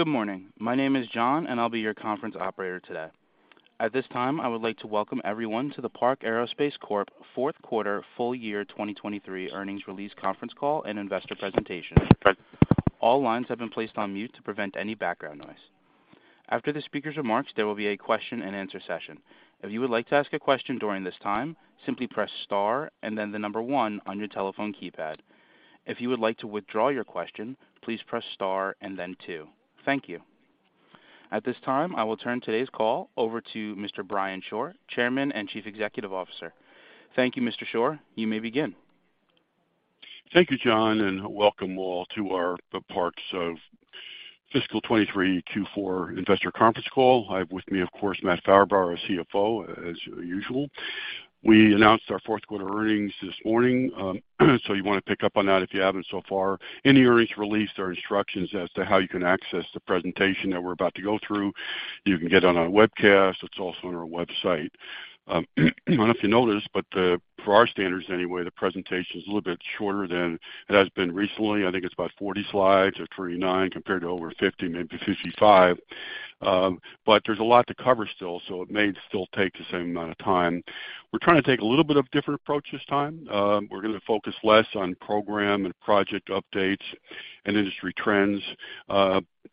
Good morning. My name is John, and I'll be your conference operator today. At this time, I would like to welcome everyone to the Park Aerospace Corp Q4 full year 2023 earnings release conference call and investor presentation. All lines have been placed on mute to prevent any background noise. After the speaker's remarks, there will be a Q&A session. If you would like to ask a question during this time, simply press star and then 1 on your telephone keypad. If you would like to withdraw your question, please press star and then 2. Thank you. At this time, I will turn today's call over to Mr. Brian Shore, Chairman and Chief Executive Officer. Thank you, Mr. Shore. You may begin. Thank you, John, welcome all to the Park of fiscal 23 Q4 investor conference call. I have with me, of course, Matt Faber, our CFO, as usual. We announced our Q4 earnings this morning, you wanna pick up on that if you haven't so far. In the earnings release, there are instructions as to how you can access the presentation that we're about to go through. You can get it on our webcast. It's also on our website. I don't know if you know this, for our standards anyway, the presentation is a little bit shorter than it has been recently. I think it's about 40 slides or 39 compared to over 50, maybe 55. There's a lot to cover still, it may still take the same amount of time. We're trying to take a little bit of different approach this time. We're gonna focus less on program and project updates and industry trends.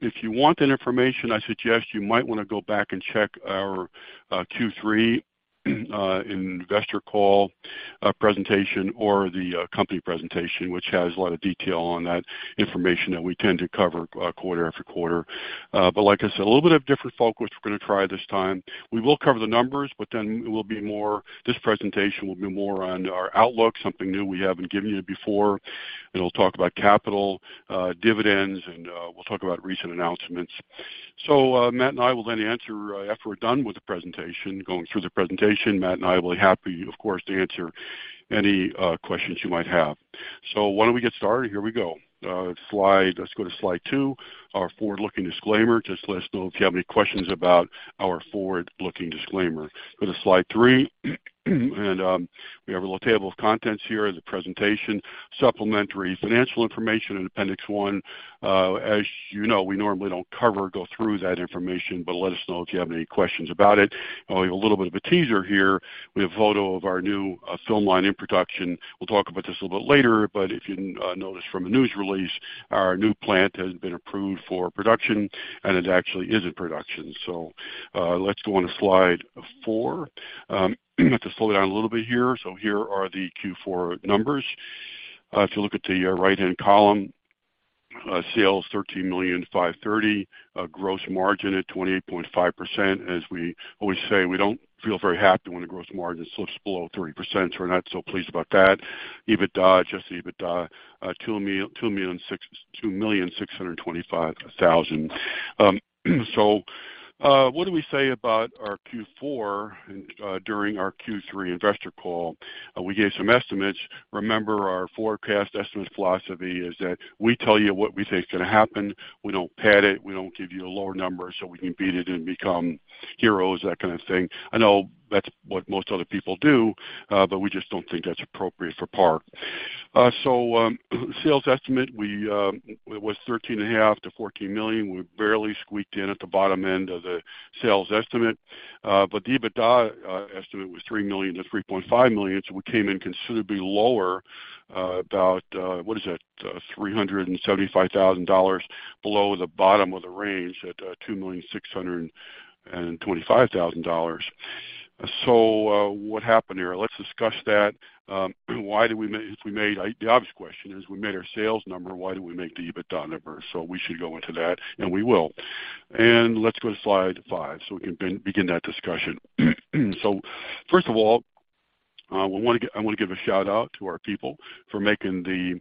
If you want that information, I suggest you might wanna go back and check our Q3 investor call presentation or the company presentation, which has a lot of detail on that information that we tend to cover quarter after quarter. Like I said, a little bit of different focus we're gonna try this time. We will cover the numbers, this presentation will be more on our outlook, something new we haven't given you before. It'll talk about capital, dividends, and we'll talk about recent announcements. Matt and I will then answer after we're done with the presentation. Going through the presentation, Matt and I will be happy, of course, to answer any questions you might have. Why don't we get started? Here we go. Let's go to slide 2, our forward-looking disclaimer. Just let us know if you have any questions about our forward-looking disclaimer. Go to slide 3. We have a little table of contents here, the presentation, supplementary financial information in appendix 1. As you know, we normally don't cover or go through that information, let us know if you have any questions about it. We have a little bit of a teaser here. We have a photo of our new film line in production. We'll talk about this a little bit later, if you notice from the news release, our new plant has been approved for production, it actually is in production. Let's go on to slide 4. To slow down a little bit here. Here are the Q4 numbers. If you look at the right-hand column, sales $13,530, gross margin at 28.5%. As we always say, we don't feel very happy when the gross margin slips below 30%, so we're not so pleased about that. EBITDA, adjusted EBITDA, $2,625,000. What did we say about our Q4 during our Q3 investor call? We gave some estimates. Remember, our forecast estimate philosophy is that we tell you what we say is gonna happen. We don't pad it. We don't give you a lower number, so we can beat it and become heroes, that kind of thing. I know that's what most other people do, but we just don't think that's appropriate for Park. Sales estimate, we, it was $13.5 million-$14 million. We barely squeaked in at the bottom end of the sales estimate. The EBITDA estimate was $3 million to $3.5 million. We came in considerably lower, what is that? $375,000 below the bottom of the range at $2.625 million. What happened here? Let's discuss that. The obvious question is, we made our sales number, why didn't we make the EBITDA number? We should go into that, and we will. Let's go to slide 5, so we can then begin that discussion. First of all, I wanna give a shout-out to our people for making the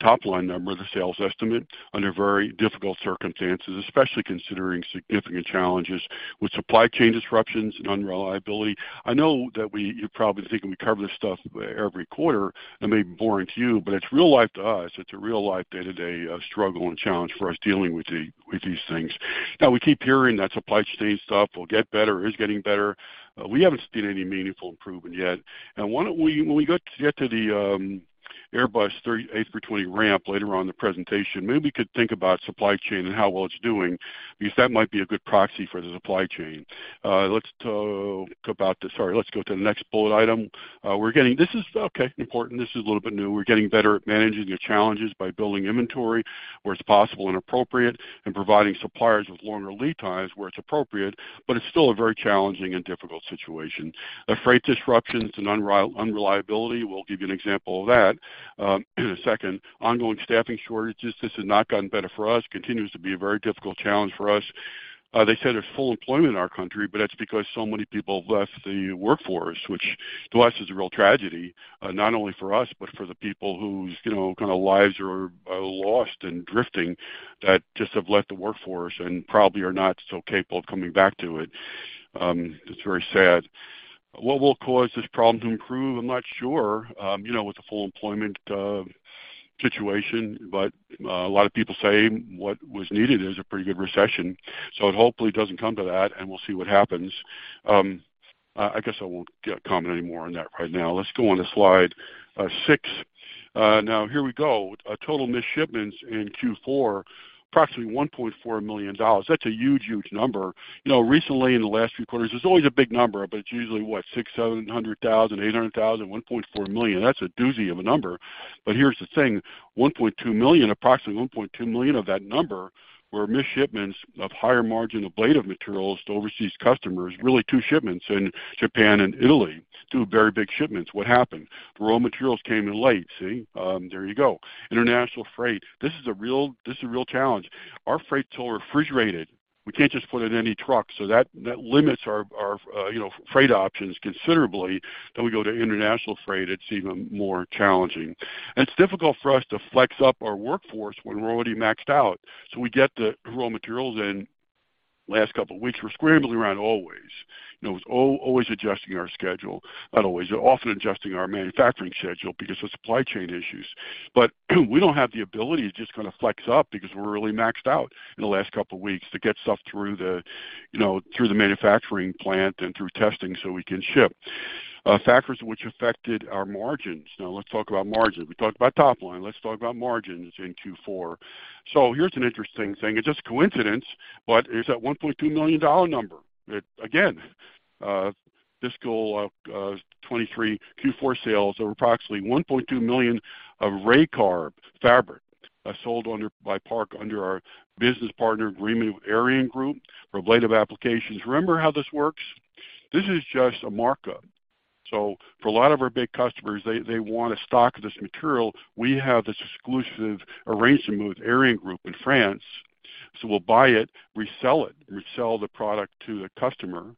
top-line number, the sales estimate, under very difficult circumstances, especially considering significant challenges with supply chain disruptions and unreliability. I know that you're probably thinking we cover this stuff every quarter. That may be boring to you, but it's real life to us. It's a real life day-to-day struggle and challenge for us dealing with these things. We keep hearing that supply chain stuff will get better, is getting better. We haven't seen any meaningful improvement yet. Why don't we, when we get to the Airbus 380-20 ramp later on in the presentation, maybe we could think about supply chain and how well it's doing, because that might be a good proxy for the supply chain. Let's talk about the... Sorry, let's go to the next bullet item. We're getting... This is important. This is a little bit new. We're getting better at managing the challenges by building inventory where it's possible and appropriate, and providing suppliers with longer lead times where it's appropriate. It's still a very challenging and difficult situation. Freight disruptions and unreliability, we'll give you an example of that in a second. Ongoing staffing shortages, this has not gotten better for us, continues to be a very difficult challenge for us. They said there's full employment in our country, that's because so many people have left the workforce, which to us is a real tragedy, not only for us, but for the people whose, you know, kinda lives are lost and drifting, that just have left the workforce and probably are not so capable of coming back to it. It's very sad. What will cause this problem to improve? I'm not sure. You know, with the full employment situation, a lot of people say what was needed is a pretty good recession. It hopefully doesn't come to that, we'll see what happens. I guess I won't comment any more on that right now. Let's go on to slide 6. Now here we go. Total missed shipments in Q4, approximately $1.4 million. That's a huge, huge number. You know, recently in the last few quarters, it's always a big number, but it's usually, what, $600,000, $700,000, $800,000, $1.4 million. That's a doozy of a number. Here's the thing, $1.2 million, approximately $1.2 million of that number were missed shipments of higher margin ablative materials to overseas customers. Really 2 shipments in Japan and Italy, 2 very big shipments. What happened? The raw materials came in late. See? There you go. International freight, this is a real, this is a real challenge. Our freight's all refrigerated. We can't just put it in any truck, that limits our, you know, freight options considerably. We go to international freight, it's even more challenging. It's difficult for us to flex up our workforce when we're already maxed out. We get the raw materials in last couple of weeks. We're scrambling around always. You know, it's always adjusting our schedule. Not always. Often adjusting our manufacturing schedule because of supply chain issues. We don't have the ability to just kind of flex up because we're really maxed out in the last couple of weeks to get stuff through the, you know, through the manufacturing plant and through testing so we can ship. Factors which affected our margins. Let's talk about margins. We talked about top line. Let's talk about margins in Q4. Here's an interesting thing. It's just coincidence, but it's that $1.2 million number. Again, fiscal 23 Q4 sales of approximately $1.2 million of Raycarb fabric sold under by Park under our business partner agreement with ArianeGroup for ablative applications. Remember how this works? This is just a markup. For a lot of our big customers, they want to stock this material. We have this exclusive arrangement with ArianeGroup in France. We'll buy it, resell the product to the customer.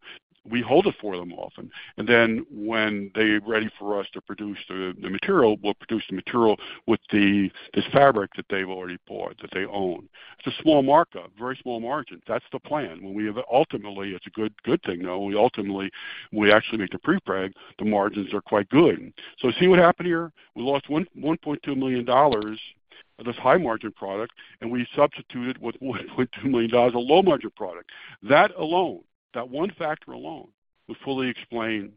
We hold it for them often. Then when they're ready for us to produce the material, we'll produce the material with this fabric that they've already bought, that they own. It's a small markup, very small margins. That's the plan. It's a good thing, though, we ultimately, when we actually make the prepreg, the margins are quite good. See what happened here? We lost $1.2 million of this high margin product, and we substituted with $1.2 million of low margin product. That alone, that one factor alone, would fully explain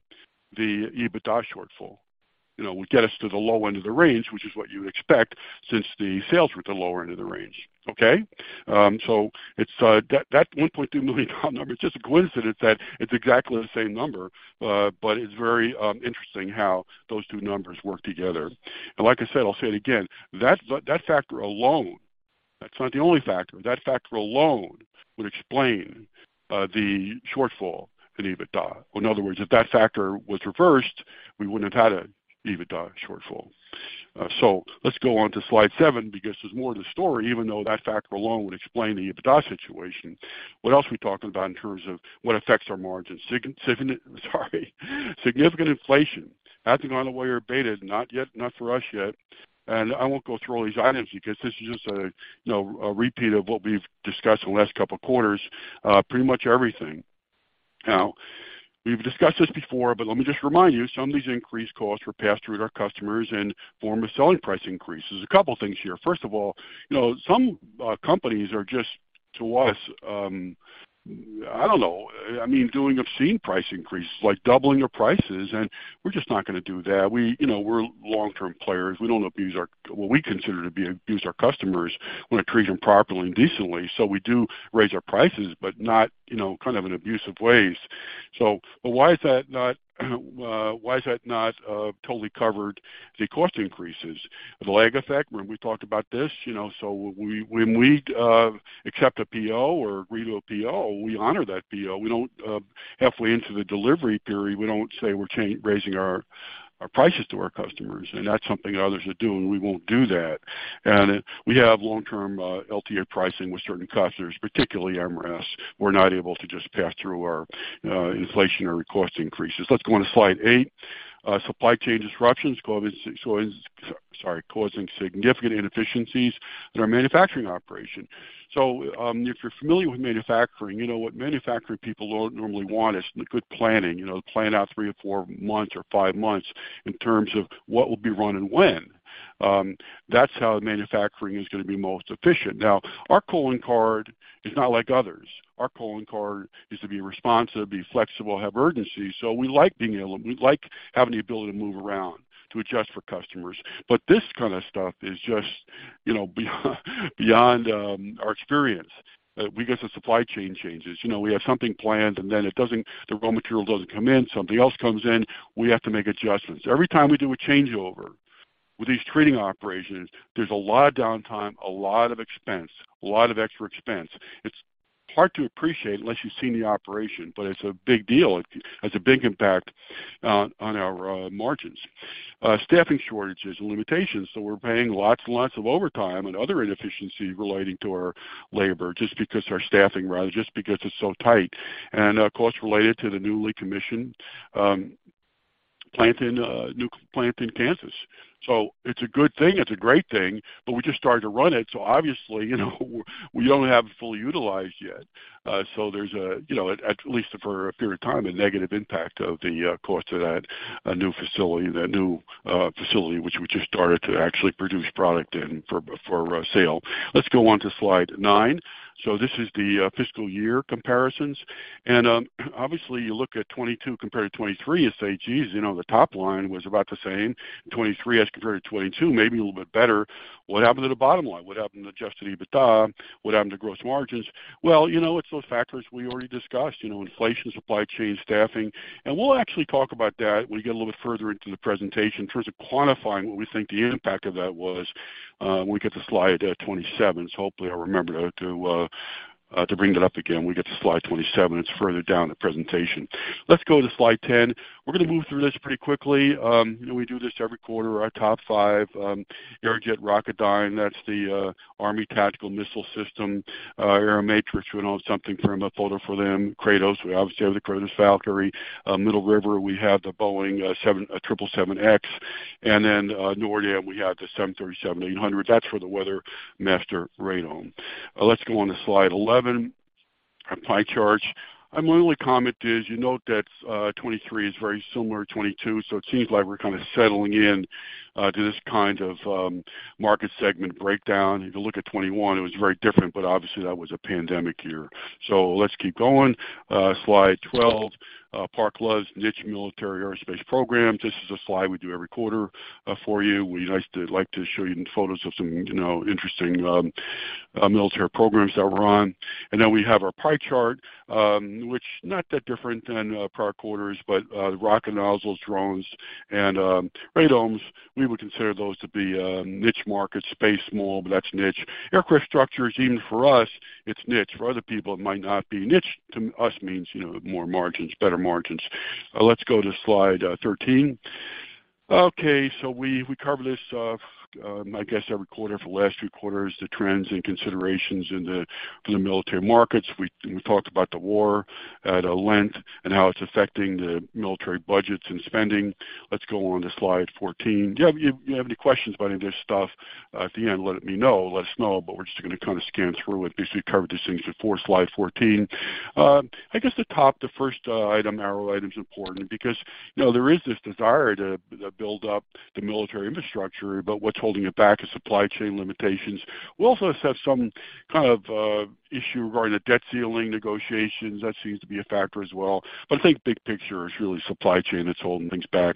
the EBITDA shortfall. You know, would get us to the low end of the range, which is what you would expect since the sales were at the lower end of the range. Okay? It's that $1.2 million number, it's just a coincidence that it's exactly the same number, but it's very interesting how those 2 numbers work together. Like I said, I'll say it again, that factor alone, that's not the only factor. That factor alone would explain the shortfall in EBITDA. In other words, if that factor was reversed, we wouldn't have had a EBITDA shortfall. Let's go on to slide 7 because there's more to the story, even though that factor alone would explain the EBITDA situation. What else are we talking about in terms of what affects our margins? Sorry. Significant inflation. Has it the way you're abated, not yet, not for us yet. I won't go through all these items because this is just a, you know, a repeat of what we've discussed in the last couple of quarters, pretty much everything. We've discussed this before, but let me just remind you, some of these increased costs were passed through to our customers in form of selling price increases. A couple of things here. First of all, you know, some companies are just, to us, I don't know, I mean, doing obscene price increases, like doubling their prices, and we're just not gonna do that. We, you know, we're long-term players. We don't abuse our-- what we consider to be abuse our customers. We wanna treat them properly and decently. We do raise our prices, but not, you know, kind of in abusive ways. Why is that not, why is that not totally covered the cost increases? The lag effect. Remember we talked about this, you know, when we accept a PO or agree to a PO, we honor that PO. We don't halfway into the delivery period, we don't say we're raising our prices to our customers, and that's something others are doing. We won't do that. We have long-term LTA pricing with certain customers, particularly MRS. We're not able to just pass through our inflationary cost increases. Let's go on to slide 8. Supply chain disruptions causing significant inefficiencies in our manufacturing operation. If you're familiar with manufacturing, you know what manufacturing people normally want is good planning. You know, plan out 3 or 4 months or 5 months in terms of what will be run and when. That's how manufacturing is gonna be most efficient. Now, our calling card is not like others. Our calling card is to be responsive, be flexible, have urgency. We like having the ability to move around, to adjust for customers. This kind of stuff is just, you know, beyond our experience. We get some supply chain changes. You know, we have something planned and then the raw material doesn't come in, something else comes in, we have to make adjustments. Every time we do a changeover with these treating operations, there's a lot of downtime, a lot of expense, a lot of extra expense. It's hard to appreciate unless you've seen the operation, but it's a big deal. It has a big impact on our margins. Staffing shortages and limitations. We're paying lots and lots of overtime and other inefficiencies relating to our labor just because our staffing, rather, just because it's so tight. Costs related to the newly commissioned new plant in Kansas. It's a good thing. It's a great thing. We just started to run it, so obviously, you know, we don't have it fully utilized yet. There's a, you know, at least for a period of time, a negative impact of the cost of that new facility, that new facility which we just started to actually produce product in for sale. Let's go on to slide 9. This is the FY comparisons. Obviously, you look at 22 compared to 23 and say, "Geez, you know, the top line was about the same. 23 as compared to 22, maybe a little bit better. What happened to the bottom line? What happened to adjusted EBITDA? What happened to gross margins?" Well, you know, it's those factors we already discussed. You know, inflation, supply chain, staffing. We'll actually talk about that when we get a little bit further into the presentation in terms of quantifying what we think the impact of that was when we get to slide 27. Hopefully I'll remember to bring that up again when we get to slide 27. It's further down the presentation. Let's go to slide 10. We're gonna move through this pretty quickly. You know, we do this every quarter. Our top 5, Aerojet Rocketdyne, that's the Army Tactical Missile System. Aeromatrix, we own something for them, a photo for them. Kratos, we obviously have the Kratos Valkyrie. Middle River, we have the Boeing 777X, NORDAM, we have the 737-800. That's for the Weather Master Radome. Let's go on to slide 11, a pie chart. My only comment is, you note that 2023 is very similar to 2022, it seems like we're kind of settling in to this kind of market segment breakdown. If you look at 2021, it was very different, obviously, that was a pandemic year. Let's keep going. Slide 12, Park loves Niche Military Aerospace Programs. This is a slide we do every quarter for you. We like to show you photos of some, you know, interesting military programs that we're on. Then we have our pie chart, which not that different than prior quarters, but rocket nozzles, drones, and radomes, we would consider those to be niche markets. Space mobile, that's niche. Aircraft structures, even for us, it's niche. For other people, it might not be niche. To us means, you know, more margins, better margins. Let's go to slide 13. Okay, we cover this, I guess every quarter for the last 3 quarters, the trends and considerations for the military markets. We talked about the war at length and how it's affecting the military budgets and spending. Let's go on to slide 14. If you have any questions about any of this stuff, at the end, let me know. Let us know. We're just going to kind of scan through it, basically covered these things before. Slide 14. I guess the first item, arrow item's important because, you know, there is this desire to build up the military infrastructure, but what's holding it back is supply chain limitations. We also have some kind of issue regarding the debt ceiling negotiations. That seems to be a factor as well. I think big picture is really supply chain that's holding things back.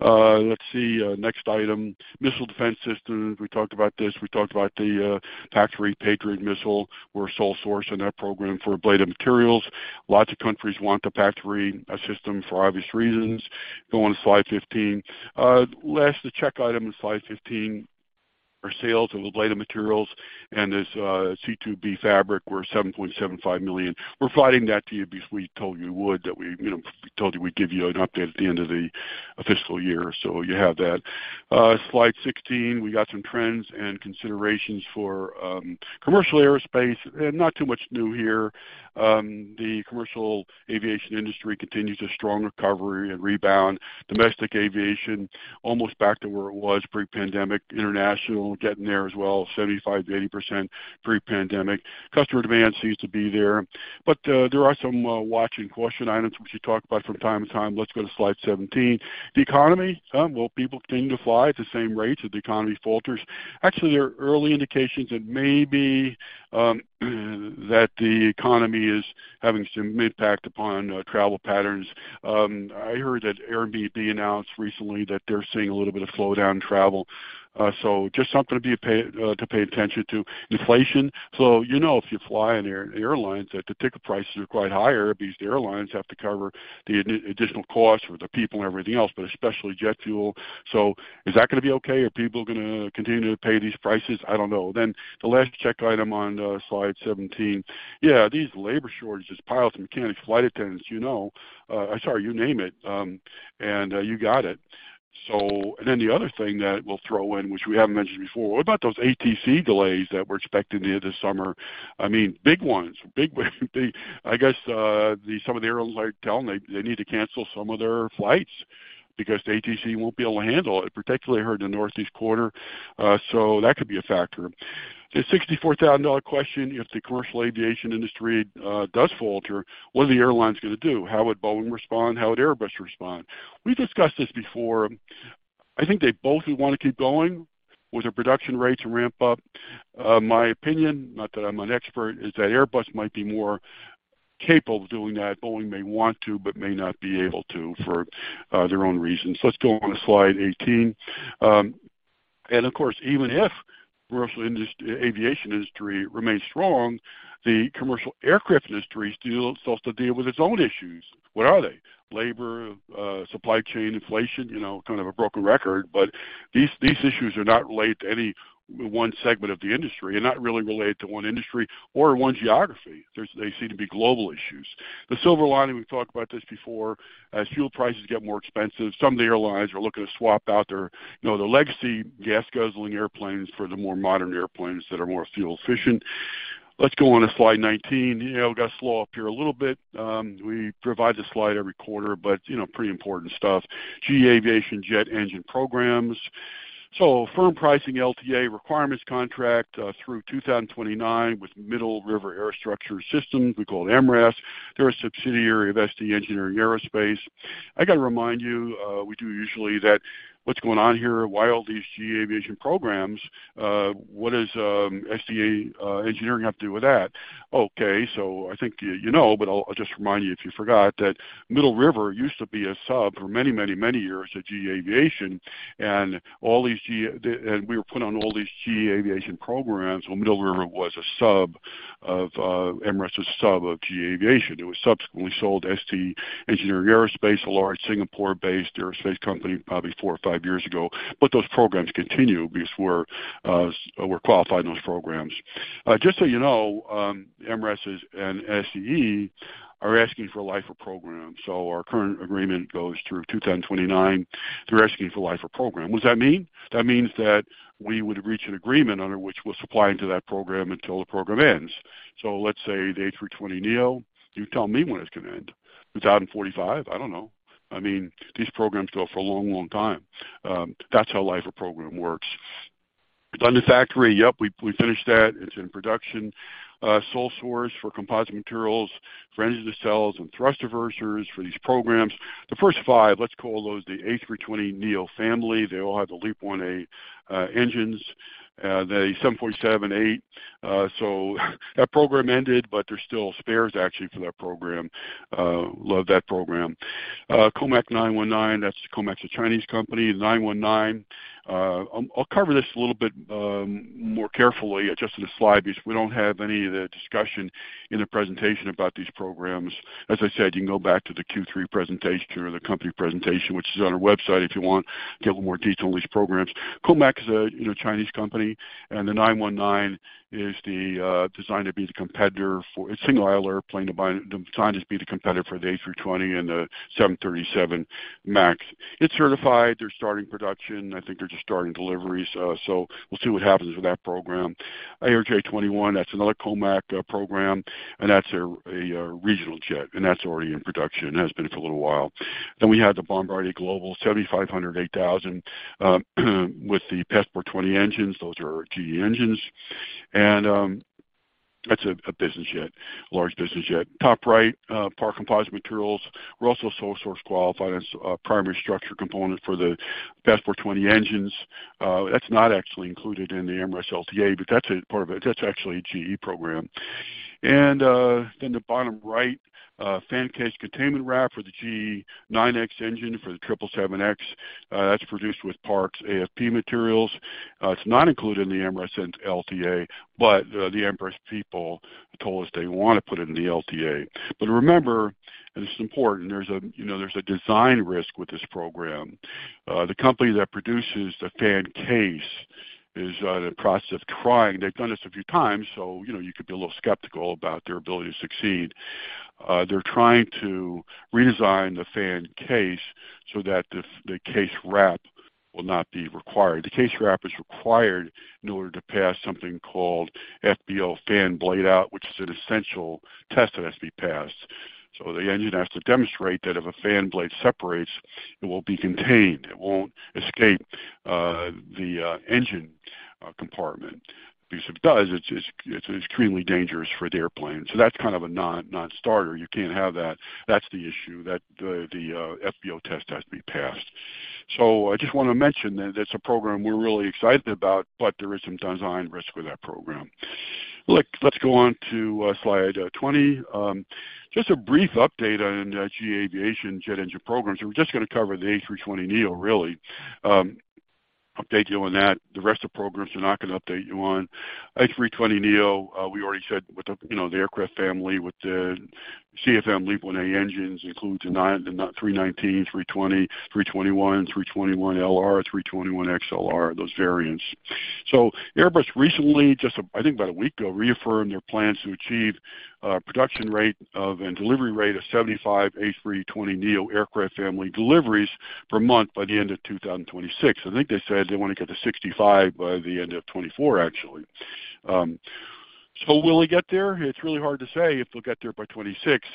Let's see, next item, missile defense systems. We talked about this. We talked about the Patriot missile. We're a sole source in that program for ablative materials. Lots of countries want the Patriot system for obvious reasons. Go on to slide 15. Last, the check item in slide 15 are sales of ablative materials, and this C2B fabric were $7.75 million. We're providing that to you because we told you we would. You know, we told you we'd give you an update at the end of the FY. You have that. Slide 16, we got some trends and considerations for commercial aerospace, not too much new here. The commercial aviation industry continues a strong recovery and rebound. Domestic aviation almost back to where it was pre-pandemic. International, getting there as well, 75%-80% pre-pandemic. Customer demand seems to be there. There are some watch and question items which we talk about from time to time. Let's go to slide 17. The economy, will people continue to fly at the same rates if the economy falters? Actually, there are early indications that maybe that the economy is having some impact upon travel patterns. I heard that Airbnb announced recently that they're seeing a little bit of slowdown in travel. Just something to pay attention to. Inflation. You know if you fly in airlines that the ticket prices are quite higher because the airlines have to cover the additional costs for the people and everything else, but especially jet fuel. Is that gonna be okay? Are people gonna continue to pay these prices? I don't know. The last check item on slide 17. These labor shortages, pilots and mechanics, flight attendants, you know, sorry, you name it, and you got it. The other thing that we'll throw in, which we haven't mentioned before, what about those ATC delays that we're expecting to hear this summer? I mean, big ones. Big. I guess, some of the airlines are telling they need to cancel some of their flights because the ATC won't be able to handle it, particularly heard in the Northeast Corridor. That could be a factor. The $64,000 question, if the commercial aviation industry does falter, what are the airlines gonna do? How would Boeing respond? How would Airbus respond? We discussed this before. I think they both would wanna keep going with their production rates and ramp up. My opinion, not that I'm an expert, is that Airbus might be more capable of doing that. Boeing may want to, but may not be able to for their own reasons. Let's go on to slide 18. Of course, even if commercial aviation industry remains strong, the commercial aircraft industry still has to deal with its own issues. What are they? Labor, supply chain, inflation, you know, kind of a broken record, these issues are not related to any one segment of the industry and not really related to one industry or one geography. They seem to be global issues. The silver lining, we've talked about this before, as fuel prices get more expensive, some of the airlines are looking to swap out their, you know, their legacy gas-guzzling airplanes for the more modern airplanes that are more fuel efficient. Let's go on to slide 19. You know, gotta slow up here a little bit. We provide the slide every quarter, you know, pretty important stuff. GE Aviation jet engine programs. Firm pricing LTA requirements contract through 2029 with Middle River Aerostructure Systems, we call them MRAS. They're a subsidiary of ST Engineering Aerospace. I gotta remind you, we do usually that. What's going on here? Why all these GE Aviation programs? What does SDA Engineering have to do with that? Okay. I think you know, I'll just remind you if you forgot that Middle River used to be a sub for many, many, many years, a GE Aviation and all these GE. We were put on all these GE Aviation programs when Middle River was a sub of MRAS's sub of GE Aviation. It was subsequently sold to ST Engineering Aerospace, a large Singapore-based aerospace company, probably 4 or 5 years ago. Those programs continue because we're qualified in those programs. Just so you know, MRAS is, and STE are asking for a life-of-program. Our current agreement goes through 2029. They're asking for life-of-program. What does that mean? That means that we would reach an agreement under which we're supplying to that program until the program ends. Let's say the A320neo, you tell me when it's gonna end. 2045? I don't know. I mean, these programs go for a long, long time. That's how life-of-program works. Dundas Acre, yep, we finished that. It's in production. Sole source for composite materials for engine cells and thrust reversers for these programs. The first 5, let's call those the A320neo family. They all have the LEAP-1A engines. The 7.78. That program ended, but there's still spares actually for that program. Love that program. COMAC C919, that's the COMAC's a Chinese company, C919. I'll cover this a little bit more carefully just in the slide because we don't have any of the discussion in the presentation about these programs. As I said, you can go back to the Q3 presentation or the company presentation, which is on our website if you want to get more detail on these programs. COMAC is a, you know, Chinese company, the C919 is the designed to be the competitor for... It's single-aisle airplane designed to be the competitor for the A320 and the 737 MAX. It's certified. They're starting production. I think they're just starting deliveries. We'll see what happens with that program. ARJ21, that's another COMAC program, that's a regional jet, and that's already in production. Has been for a little while. We have the Bombardier Global 7500, 8000 with the Passport 20 engines. Those are GE engines. That's a business jet, large business jet. Top right, Park Composite Materials. We're also sole source qualified as a primary structure component for the Passport 20 engines. That's not actually included in the MRAS LTA, but that's a part of it. That's actually a GE program. The bottom right fan case containment wrap for the GE9X engine for the 777X, that's produced with Park's AFP materials. It's not included in the MRAS LTA. The MRAS people told us they wanna put it in the LTA. Remember, and this is important, you know, there's a design risk with this program. The company that produces the fan case is in the process of trying. They've done this a few times, so you know, you could be a little skeptical about their ability to succeed. They're trying to redesign the fan case so that the case wrap will not be required. The case wrap is required in order to pass something called FBO, Fan Blade Out, which is an essential test that has to be passed. The engine has to demonstrate that if a fan blade separates, it will be contained. It won't escape the engine compartment, because if it does, it's, it's extremely dangerous for the airplane. That's kind of a non-starter. You can't have that. That's the issue, that the FBO test has to be passed. I just want to mention that it's a program we're really excited about, but there is some design risk with that program. Look, let's go on to slide 20. Just a brief update on the GE Aviation jet engine programs, and we're just gonna cover the A320neo, really. Update you on that. The rest of the programs we're not gonna update you on. A320neo, we already said with the, you know, the aircraft family with the CFM LEAP-1A engines includes the 9, the A319, A320, A321, A321LR, A321XLR, those variants. Airbus recently, just a, I think about a week ago, reaffirmed their plans to achieve a production rate of and delivery rate of 75 A320neo aircraft family deliveries per month by the end of 2026. I think they said they wanna get to 65 by the end of 2024, actually. Will it get there? It's really hard to say if they'll get there by 2026,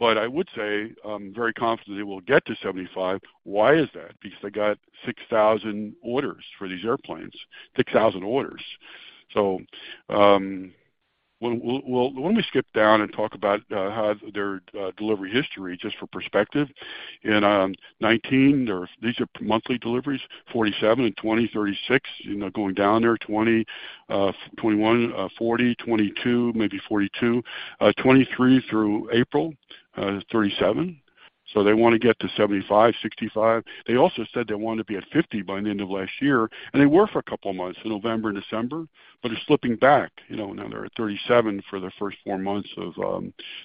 I would say, I'm very confident they will get to 75. Why is that? Because they got 6,000 orders for these airplanes. 6,000 orders. Let me skip down and talk about how their delivery history, just for perspective. In 19, these are monthly deliveries, 47. In 20, 36. You know, going down there, 20, 21, 40. 22, maybe 42. 23 through April, 37. They wanna get to 75, 65. They also said they wanted to be at 50 by the end of last year, and they were for a couple of months in November and December. It's slipping back, you know, now they're at 37 for the first 4 months of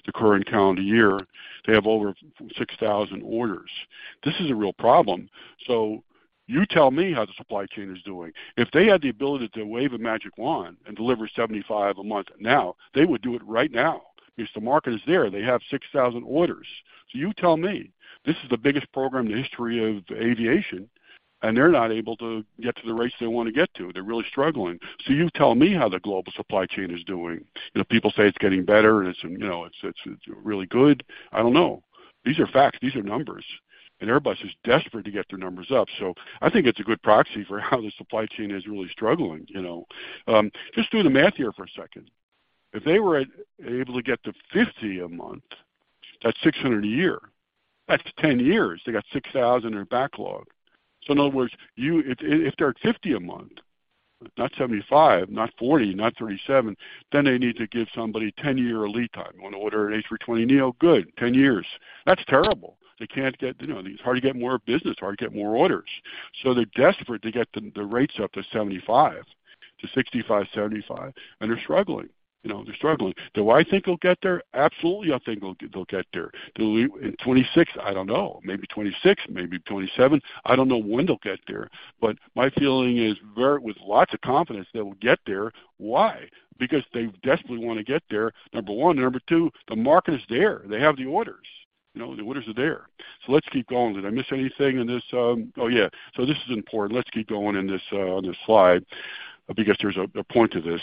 the current calendar year. They have over 6,000 orders. This is a real problem. You tell me how the supply chain is doing. If they had the ability to wave a magic wand and deliver 75 a month now, they would do it right now because the market is there. They have 6,000 orders. You tell me, this is the biggest program in the history of aviation, and they're not able to get to the rates they want to get to. They're really struggling. You tell me how the global supply chain is doing. You know, people say it's getting better, and it's, you know, it's really good. I don't know. These are facts, these are numbers. Airbus is desperate to get their numbers up. I think it's a good proxy for how the supply chain is really struggling, you know. Just do the math here for a second. If they were able to get to 50 a month, that's 600 a year. That's 10 years, they got 6,000 in backlog. In other words, if they're at 50 a month, not 75, not 40, not 37, then they need to give somebody 10-year lead time. You wanna order an A320neo, good, 10 years. That's terrible. They can't get. You know, it's hard to get more business, hard to get more orders. They're desperate to get the rates up to 75, to 65, 75, and they're struggling. You know, they're struggling. Do I think they'll get there? Absolutely, I think they'll get there. They'll leave. In 2026, I don't know. Maybe 2026, maybe 2027. I don't know when they'll get there, but my feeling is very with lots of confidence they will get there. Why? Because they desperately want to get there, number one. Number 2, the market is there. They have the orders. You know, the orders are there. Let's keep going. Did I miss anything in this? Oh, yeah. This is important. Let's keep going in this on this slide because there's a point to this.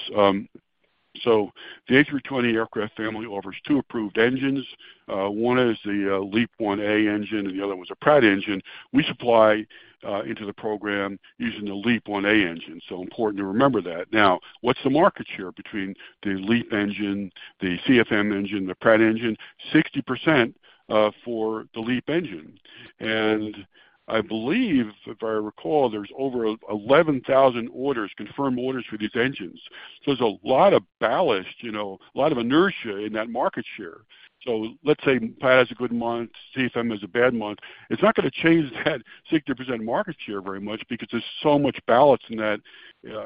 The A320 aircraft family offers 2 approved engines. One is the LEAP-1A engine, and the other one's a Pratt engine. We supply into the program using the LEAP-1A engine, so important to remember that. Now, what's the market share between the LEAP engine, the CFM engine, the Pratt engine? 60% for the LEAP engine. I believe, if I recall, there's over 11,000 orders, confirmed orders for these engines. There's a lot of ballast, you know, a lot of inertia in that market share. Let's say Pratt has a good month, CFM has a bad month. It's not gonna change that 60% market share very much because there's so much ballast in that,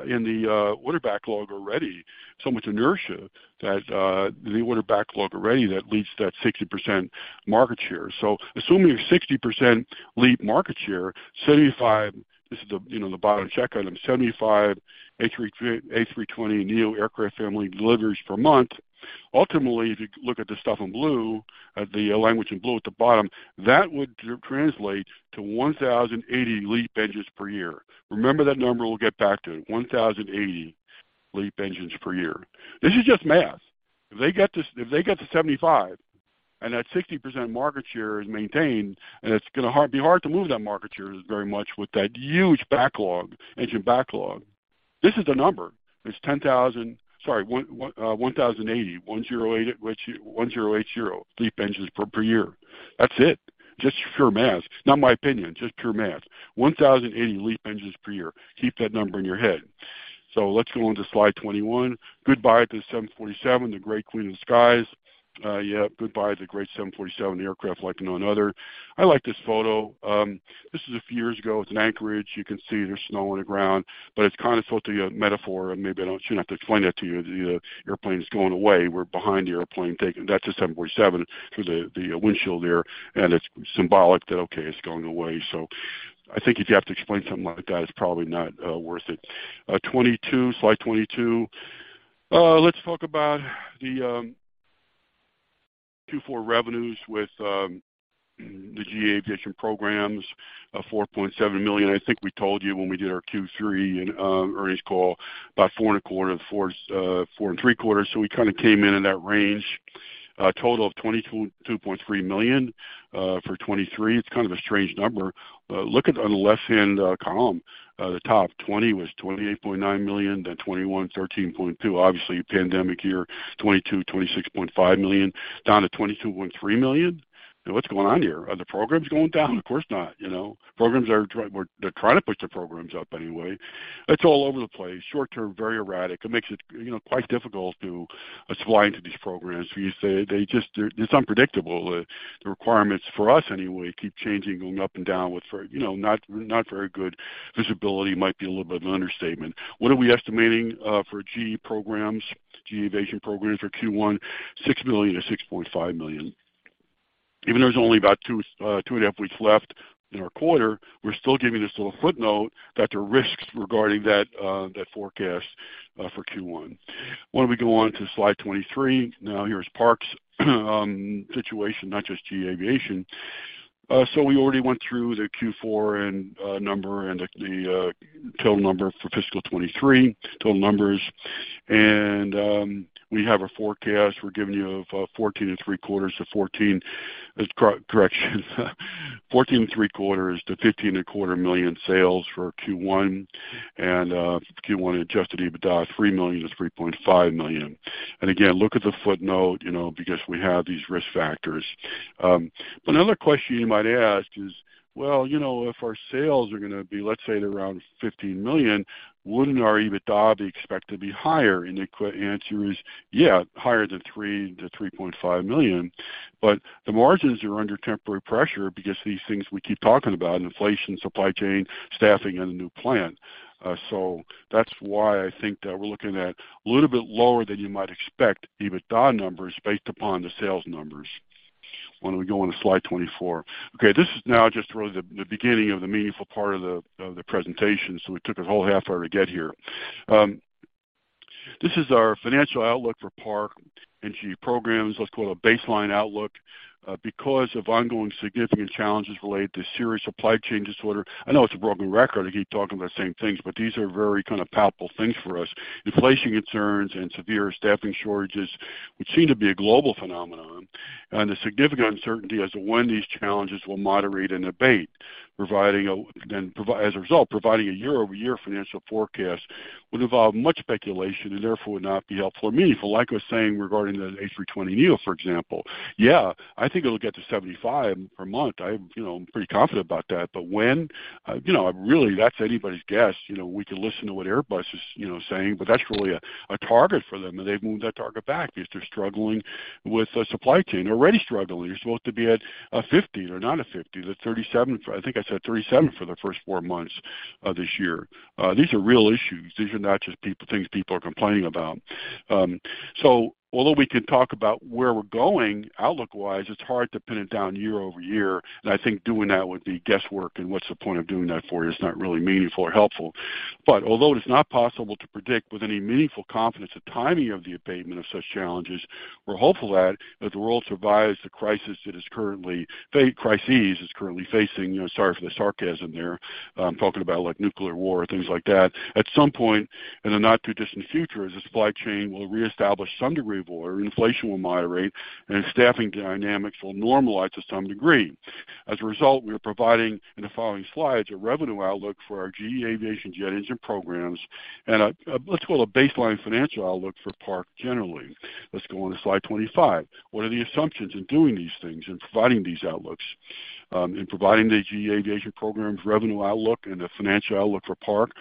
in the order backlog already, so much inertia that the order backlog already that leads to that 60% market share. Assuming your 60% LEAP market share, 75, this is the, you know, the bottom check on them, 75 A320neo aircraft family deliveries per month. Ultimately, if you look at the stuff in blue, at the language in blue at the bottom, that would translate to 1,080 LEAP engines per year. Remember that number, we'll get back to it. 1,080 LEAP engines per year. This is just math. If they get to 75, and that 60% market share is maintained, and it's going to be hard to move that market share very much with that huge backlog, engine backlog. This is the number. It's 1,080 LEAP engines per year. That's it. Just pure math. Not my opinion, just pure math. 1,080 LEAP engines per year. Keep that number in your head. Let's go on to slide 21. Goodbye to the 747, the great queen of the skies. Yeah, goodbye to the great 747 aircraft like no other. I like this photo. This is a few years ago. It's in Anchorage. You can see there's snow on the ground. It's kind of supposed to be a metaphor. Maybe I shouldn't have to explain that to you. The airplane is going away. We're behind the airplane taking. That's a 747 through the windshield there. It's symbolic that, okay, it's going away. I think if you have to explain something like that, it's probably not worth it. 22, slide 22. Let's talk about the Q4 revenues with the GE Aviation programs, $4.7 million. I think we told you when we did our Q3 in earnings call about 4 and a quarter, 4 and 3 quarters. We kinda came in that range. A total of $22.3 million for 23. It's kind of a strange number. Look at the left-hand column. The top 20 was $28.9 million, then 21, $13.2 million. Obviously a pandemic year, 22, $26.5 million, down to $22.3 million. What's going on here? Are the programs going down? Of course not, you know. Programs are They're trying to push the programs up anyway. It's all over the place. Short term, very erratic. It makes it, you know, quite difficult to supply into these programs. You say they just It's unpredictable. The requirements, for us anyway, keep changing, going up and down with very, you know, not very good. Visibility might be a little bit of an understatement. What are we estimating for GE programs, GE Aviation programs for Q1? $6 million to $6.5 million. Even though there's only about 2 and a half weeks left in our quarter, we're still giving this little footnote that there are risks regarding that forecast for Q1. Why don't we go on to slide 23? Here's Park's situation, not just GE Aviation. We already went through the Q4 number and the total number for fiscal 23, total numbers. We have a forecast we're giving you of 14 and 3 quarters to fifteen and a quarter million sales for Q1. Q1 adjusted EBITDA is $3 million-$3.5 million. Again, look at the footnote, you know, because we have these risk factors. Another question you might ask is, well, you know, if our sales are gonna be, let's say at around $15 million, wouldn't our EBITDA be expected to be higher? The answer is, yeah, higher than $3 million-$3.5 million, but the margins are under temporary pressure because these things we keep talking about, inflation, supply chain, staffing, and the new plant. That's why I think that we're looking at a little bit lower than you might expect EBITDA numbers based upon the sales numbers. Why don't we go on to slide 24? Okay, this is now just really the beginning of the meaningful part of the, of the presentation. We took a whole half hour to get here. This is our financial outlook for Park and GE Programs. Let's call it a baseline outlook, because of ongoing significant challenges related to serious supply chain disorder. I know it's a broken record. I keep talking about the same things, but these are very kind of palpable things for us. Inflation concerns and severe staffing shortages, which seem to be a global phenomenon, and the significant uncertainty as to when these challenges will moderate and abate. As a result, providing a year-over-year financial forecast would involve much speculation and therefore would not be helpful or meaningful. Like I was saying, regarding the A320neo, for example. Yeah, I think it'll get to 75 per month. I'm, you know, pretty confident about that. When, you know, really that's anybody's guess. You know, we can listen to what Airbus is, you know, saying, but that's really a target for them, and they've moved that target back because they're struggling with the supply chain. Already struggling. They're supposed to be at 50. They're not at 50. They're 37 for the first 4 months this year. These are real issues. These are not just people, things people are complaining about. Although we can talk about where we're going outlook-wise, it's hard to pin it down year-over-year, I think doing that would be guesswork. What's the point of doing that for you? It's not really meaningful or helpful. Although it is not possible to predict with any meaningful confidence the timing of the abatement of such challenges, we're hopeful that as the world survives the crisis it is currently facing. You know, sorry for the sarcasm there. I'm talking about, like, nuclear war or things like that. At some point in the not-too-distant future, the supply chain will reestablish some degree of order, inflation will moderate, and staffing dynamics will normalize to some degree. As a result, we are providing, in the following slides, a revenue outlook for our GE Aviation jet engine programs and let's call it a baseline financial outlook for Park generally. Let's go on to slide 25. What are the assumptions in doing these things and providing these outlooks? In providing the GE Aviation programs revenue outlook and the financial outlook for Park,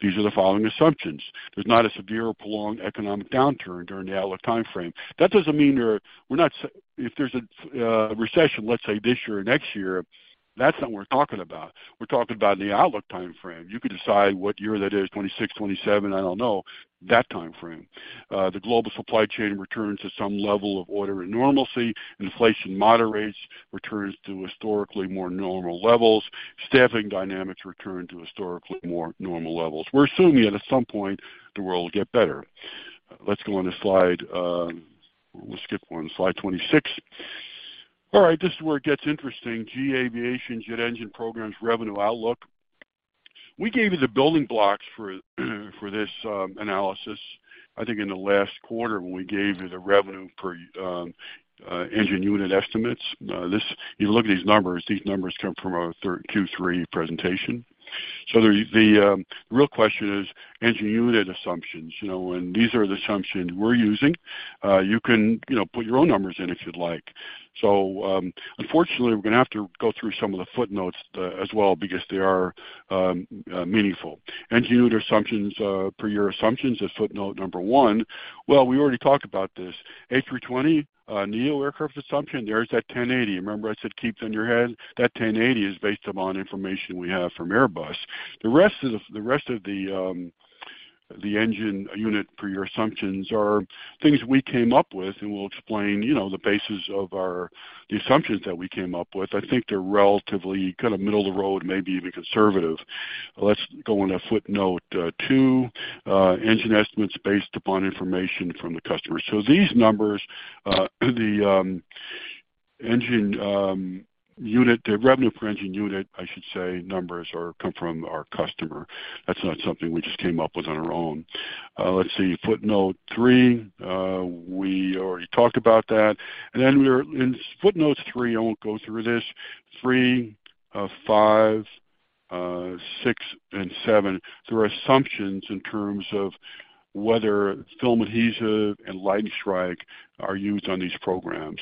these are the following assumptions. There's not a severe or prolonged economic downturn during the outlook timeframe. That doesn't mean if there's a recession, let's say, this year or next year, that's not what we're talking about. We're talking about in the outlook timeframe. You could decide what year that is, 2026, 2027, I don't know, that timeframe. The global supply chain returns to some level of order and normalcy. Inflation moderates, returns to historically more normal levels. Staffing dynamics return to historically more normal levels. We're assuming that at some point the world will get better. Let's go on to slide. We'll skip 1. Slide 26. All right, this is where it gets interesting. GE Aviation jet engine programs revenue outlook. We gave you the building blocks for this analysis, I think, in the last quarter when we gave you the revenue per engine unit estimates. You look at these numbers. These numbers come from our Q3 presentation. The real question is engine unit assumptions. You know, these are the assumptions we're using. You can, you know, put your own numbers in if you'd like. Unfortunately, we're gonna have to go through some of the footnotes as well, because they are meaningful. Engine unit assumptions, per your assumptions is footnote 1. Well, we already talked about this. A320, neo aircraft assumption, there's that 1080. Remember I said keep in your head. That 1080 is based upon information we have from Airbus. The rest of the engine unit per your assumptions are things we came up with, and we'll explain, you know, the basis of the assumptions that we came up with. I think they're relatively kind of middle of the road, maybe even conservative. Let's go on to footnote 2. Engine estimates based upon information from the customer. These numbers, the engine unit, the revenue per engine unit, I should say, numbers are, come from our customer. That's not something we just came up with on our own. Let's see, footnote 3. We already talked about that. In footnote 3, I won't go through this. 3, 5, 6, and 7 through our assumptions in terms of whether film adhesive and lightning strike are used on these programs.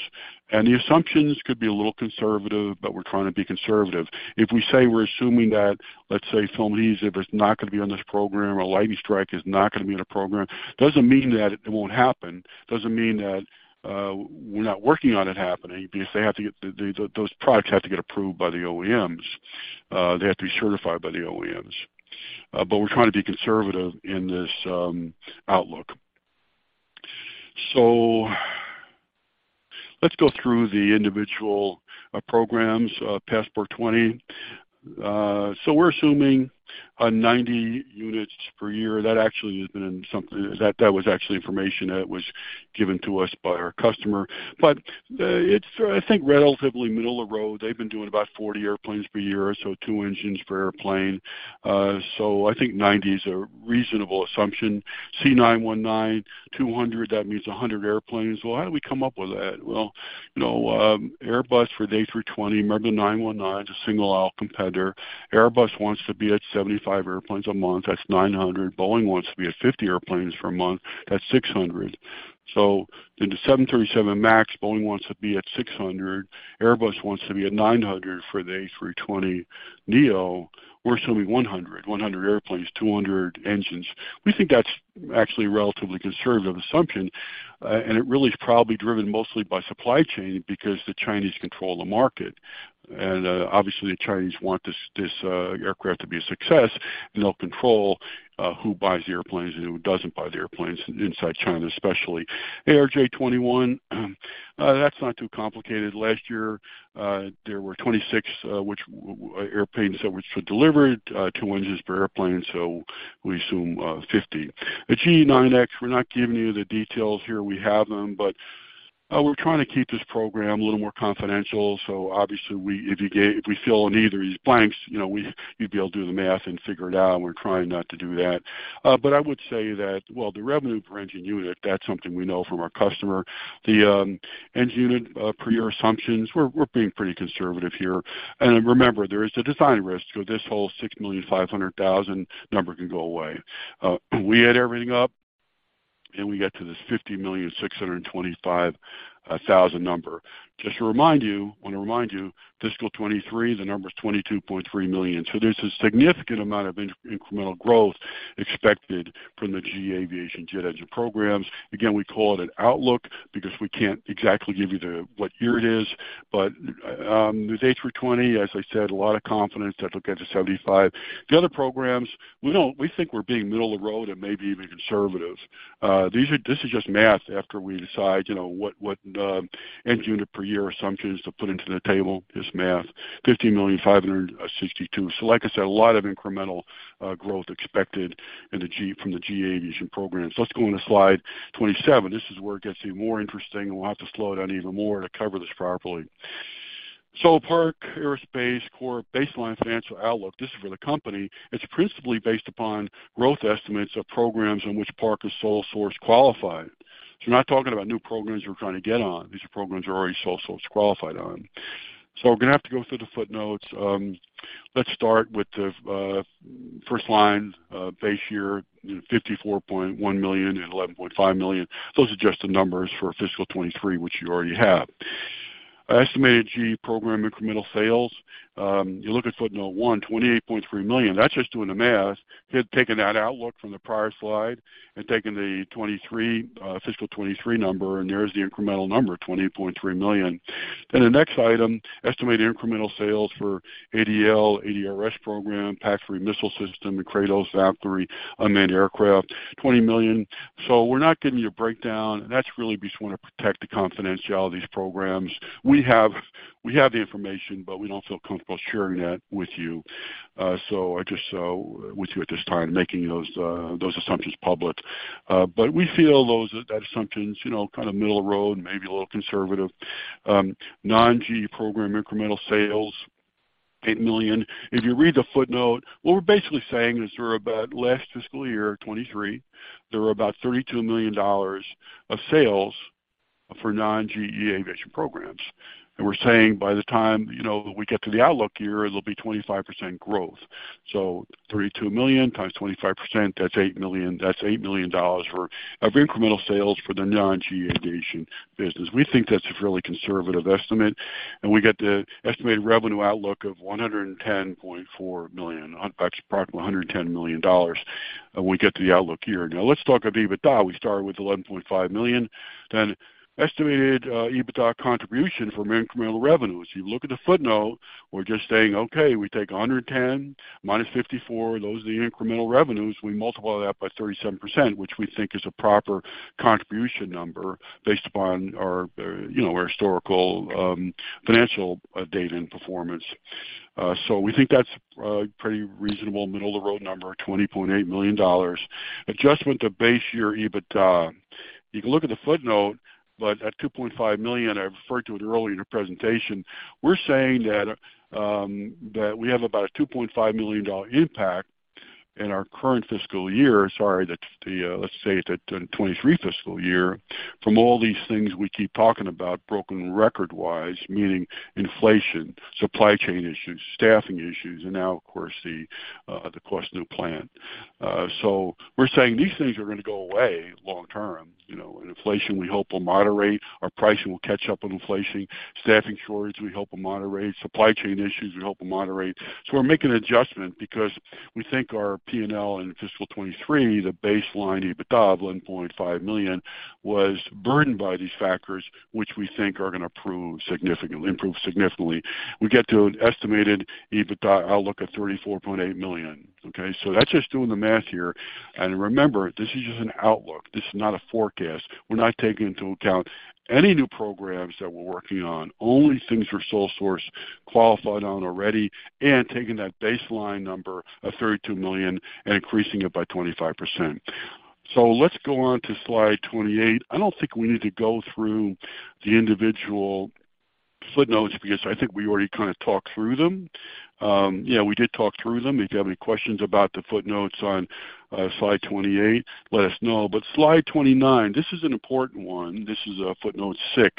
The assumptions could be a little conservative, but we're trying to be conservative. If we say we're assuming that, let's say, film adhesive is not gonna be on this program or lightning strike is not gonna be in a program, doesn't mean that it won't happen, doesn't mean that we're not working on it happening, because they have to get those products have to get approved by the OEMs. They have to be certified by the OEMs. We're trying to be conservative in this outlook. Let's go through the individual programs, Passport 20. We're assuming 90 units per year. That was actually information that was given to us by our customer. It's, I think, relatively middle of the road. They've been doing about 40 airplanes per year or so, 2 engines per airplane. I think 90 is a reasonable assumption. C919, 200. That means 100 airplanes. How do we come up with that? You know, Airbus for the A320. Remember, the C919's a single aisle competitor. Airbus wants to be at 75 airplanes a month. That's 900. Boeing wants to be at 50 airplanes per month. That's 600. The 737 MAX, Boeing wants to be at 600. Airbus wants to be at 900 for the A320neo. We're assuming 100 airplanes, 200 engines. We think that's actually a relatively conservative assumption. It really is probably driven mostly by supply chain because the Chinese control the market. Obviously, the Chinese want this aircraft to be a success, and they'll control who buys the airplanes and who doesn't buy the airplanes inside China, especially. ARJ21, that's not too complicated. Last year, there were 26 airplanes that were delivered, 2 engines per airplane, so we assume 50. The GE9X, we're not giving you the details here. We have them, we're trying to keep this program a little more confidential, so obviously if you if we fill in either of these blanks, you know, you'd be able to do the math and figure it out, and we're trying not to do that. I would say that, well, the revenue per engine unit, that's something we know from our customer. The engine unit, per your assumptions, we're being pretty conservative here. Remember, there is a design risk. This whole $6.5 million number can go away. We add everything up, we get to this $50.625 million number. Just to remind you, wanna remind you, fiscal 2023, the number is $22.3 million. There's a significant amount of incremental growth expected from the GE Aviation JED Edge programs. Again, we call it an outlook because we can't exactly give you what year it is. With A320, as I said, a lot of confidence that we'll get to 75. We think we're being middle of the road and maybe even conservative. This is just math after we decide, you know, what end unit per year assumption is to put into the table. Just math. 50,562. Like I said, a lot of incremental growth expected from the GE Aviation programs. Let's go on to slide 27. This is where it gets even more interesting, and we'll have to slow it down even more to cover this properly. Park Aerospace Corp. baseline financial outlook, this is for the company. It's principally based upon growth estimates of programs in which Park is sole source qualified. We're not talking about new programs we're trying to get on. These are programs we're already sole source qualified on. We're gonna have to go through the footnotes. Let's start with the first line, base year, $54.1 million and $11.5 million. Those are just the numbers for fiscal 23, which you already have. Estimated GE program incremental sales, you look at footnote 1, $28.3 million. That's just doing the math. They've taken that outlook from the prior slide and taken the 23, fiscal 23 number, and there's the incremental number, $28.3 million. The next item, estimated incremental sales for ADL, ADRS program, PAC-3 Missile System, and Kratos Valkyrie unmanned aircraft, $20 million. We're not giving you a breakdown. That's really because we wanna protect the confidentiality of these programs. We have the information, but we don't feel comfortable sharing that with you. I just with you at this time, making those assumptions public. But we feel that assumption's, you know, kind of middle of the road, maybe a little conservative. Non-GE program incremental sales, $8 million. If you read the footnote, what we're basically saying is there are about last FY, 2023, there were about $32 million of sales for non-GE Aerospace programs. We're saying by the time, you know, we get to the outlook year, it'll be 25% growth. $32 million times 25%, that's $8 million. That's $8 million of incremental sales for the non-GE Aerospace business. We think that's a fairly conservative estimate, and we get the estimated revenue outlook of $110.4 million, that's approximately $110 million, when we get to the outlook year. Let's talk about EBITDA. We started with $11.5 million estimated EBITDA contribution from incremental revenues. You look at the footnote, we're just saying, okay, we take 110 minus 54. Those are the incremental revenues. We multiply that by 37%, which we think is a proper contribution number based upon our, you know, our historical financial data and performance. We think that's a pretty reasonable middle-of-the-road number, $20.8 million. Adjustment to base year EBITDA. You can look at the footnote, at $2.5 million, I referred to it earlier in the presentation, we're saying that we have about a $2.5 million impact in our current FY. Sorry, that's the, let's say the 2023 FY from all these things we keep talking about broken record-wise, meaning inflation, supply chain issues, staffing issues, and now of course, the cost of new plant. We're saying these things are gonna go away long term. You know, inflation, we hope will moderate. Our pricing will catch up with inflation. Staffing shortage, we hope will moderate. Supply chain issues, we hope will moderate. We're making an adjustment because we think our P&L in fiscal 2023, the baseline EBITDA of $11.5 million, was burdened by these factors, which we think are gonna prove significantly improve significantly. We get to an estimated EBITDA outlook of $34.8 million. Okay? That's just doing the math here. Remember, this is just an outlook. This is not a forecast. We're not taking into account any new programs that we're working on, only things we're sole source qualified on already, and taking that baseline number of $32 million and increasing it by 25%. Let's go on to slide 28. I don't think we need to go through the individual footnotes because I think we already kind of talked through them. Yeah, we did talk through them. If you have any questions about the footnotes on slide 28, let us know. Slide 29, this is an important one. This is footnote 6.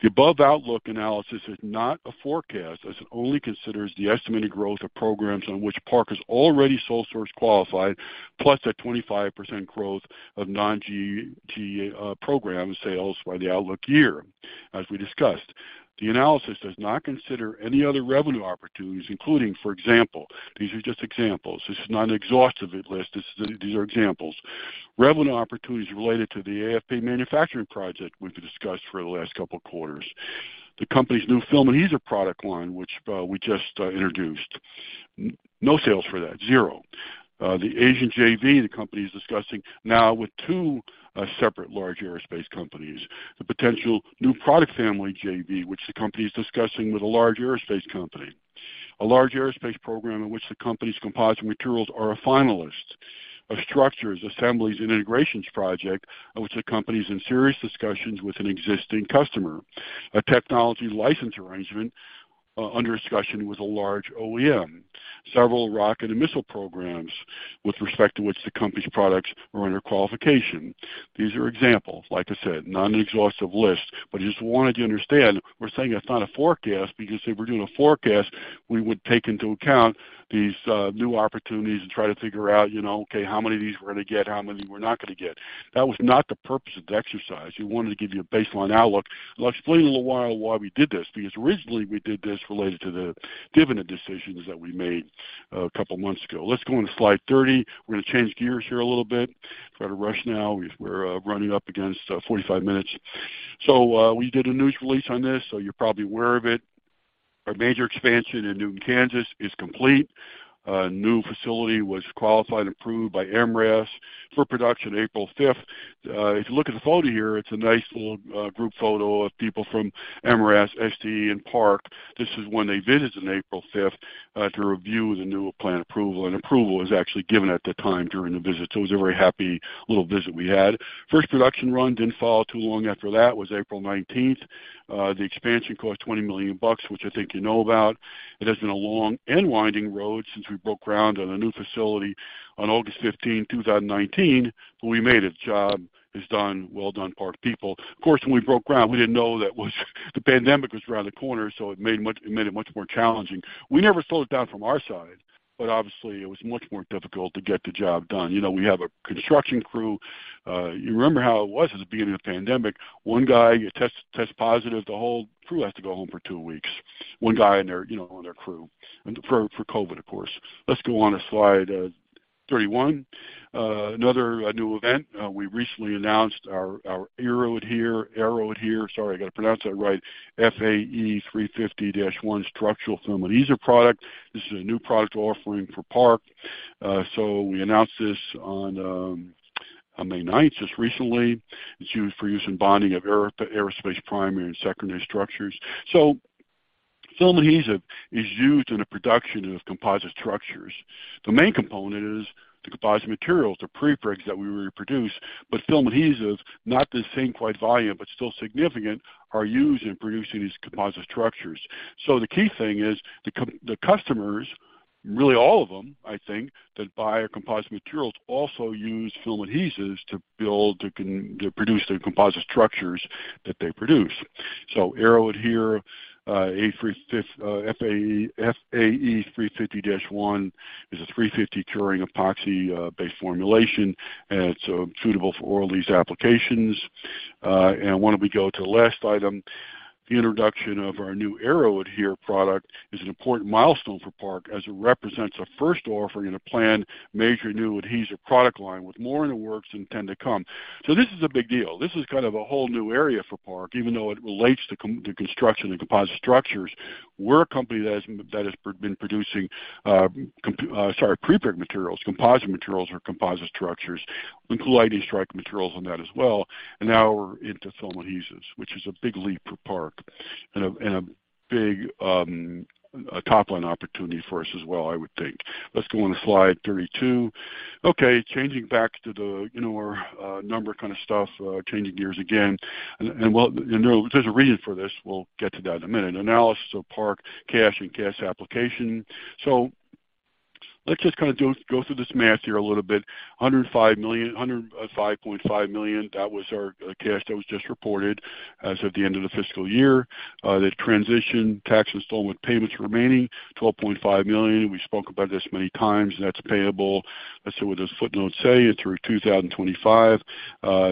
The above outlook analysis is not a forecast, as it only considers the estimated growth of programs on which Park is already sole source qualified, plus a 25% growth of non-GE program sales by the outlook year, as we discussed. The analysis does not consider any other revenue opportunities, including, for example, these are just examples. This is not an exhaustive list. These are examples. Revenue opportunities related to the AFP manufacturing project, which we discussed for the last couple of quarters. The company's new film and heater product line, which we just introduced. No sales for that, 0. The Asian JV the company is discussing now with 2 separate large aerospace companies. The potential new product family JV, which the company is discussing with a large aerospace company. A large aerospace program in which the company's composite materials are a finalist of structures, assemblies, and integrations project, of which the company is in serious discussions with an existing customer. A technology license arrangement, under discussion with a large OEM. Several rocket and missile programs with respect to which the company's products are under qualification. These are examples, like I said, not an exhaustive list, but I just wanted you to understand we're saying that's not a forecast because if we're doing a forecast, we would take into account these new opportunities and try to figure out, you know, okay, how many of these we're gonna get, how many we're not gonna get. That was not the purpose of the exercise. We wanted to give you a baseline outlook. I'll explain in a little while why we did this, because originally we did this related to the dividend decisions that we made a couple months ago. Let's go on to slide 30. We're gonna change gears here a little bit. Got to rush now. We're running up against 45 minutes. We did a news release on this, so you're probably aware of it. Our major expansion in Newton, Kansas is complete. A new facility was qualified, approved by MRAS for production April 5th. If you look at the photo here, it's a nice little group photo of people from MRAS, SDE, and Park. This is when they visited on April 5th to review the new plant approval, and approval was actually given at the time during the visit. It was a very happy little visit we had. First production run didn't fall too long after that, was April 19th. The expansion cost $20 million, which I think you know about. It has been a long and winding road since we broke ground on a new facility on August 15, 2019, but we made it. Job is done. Well done, Park people. Of course, when we broke ground, we didn't know that was, the pandemic was around the corner, it made it much more challenging. We never slowed it down from our side, but obviously, it was much more difficult to get the job done. You know, we have a construction crew. You remember how it was at the beginning of the pandemic. One guy tests positive, the whole crew has to go home for 2 weeks. One guy on their, you know, on their crew, and for COVID, of course. Let's go on to slide 31. Another new event. We recently announced our Aeroadhere. Sorry, I got to pronounce that right. FAE-350-1 structural film adhesive product. This is a new product offering for Park. We announced this on May ninth, just recently. It's used for use in bonding of aerospace, primary, and secondary structures. Film adhesive is used in the production of composite structures. The main component is the composite materials, the prepregs that we produce, but film adhesives, not the same quite volume, but still significant, are used in producing these composite structures. The key thing is the customers, really all of them, I think, that buy our composite materials, also use film adhesives to build, to produce their composite structures that they produce. Aeroadhere FAE-350-1 is a 350 curing epoxy based formulation. It's suitable for all these applications. Why don't we go to the last item? The introduction of our new Aeroadhere product is an important milestone for Park, as it represents a first offering in a planned major new adhesive product line, with more in the works and tend to come. This is a big deal. This is kind of a whole new area for Park, even though it relates to construction and composite structures. We're a company that has, that has been producing, sorry, prepreg materials, composite materials or composite structures, and light strike materials on that as well. Now we're into film adhesives, which is a big leap for Park and a, and a big, top-line opportunity for us as well, I would think. Let's go on to slide 32. Changing back to the, you know, our number kind of stuff, changing gears again. Well, you know, there's a reason for this. We'll get to that in a minute. Analysis of Park cash and cash application. Let's just kind of go through this math here a little bit. $105.5 million. That was our cash that was just reported as at the end of the FY. The transition tax installment payments remaining, $12.5 million. We spoke about this many times, and that's payable. Let's see what this footnote say. It's through 2025.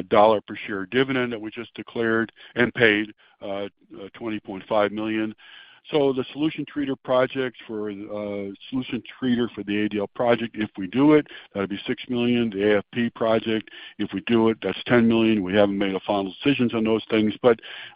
Dollar per share dividend that we just declared and paid, $20.5 million. The solution treater project for solution treater for the ADL project, if we do it, that'd be $6 million. The AFP project, if we do it, that's $10 million. We haven't made a final decision on those things.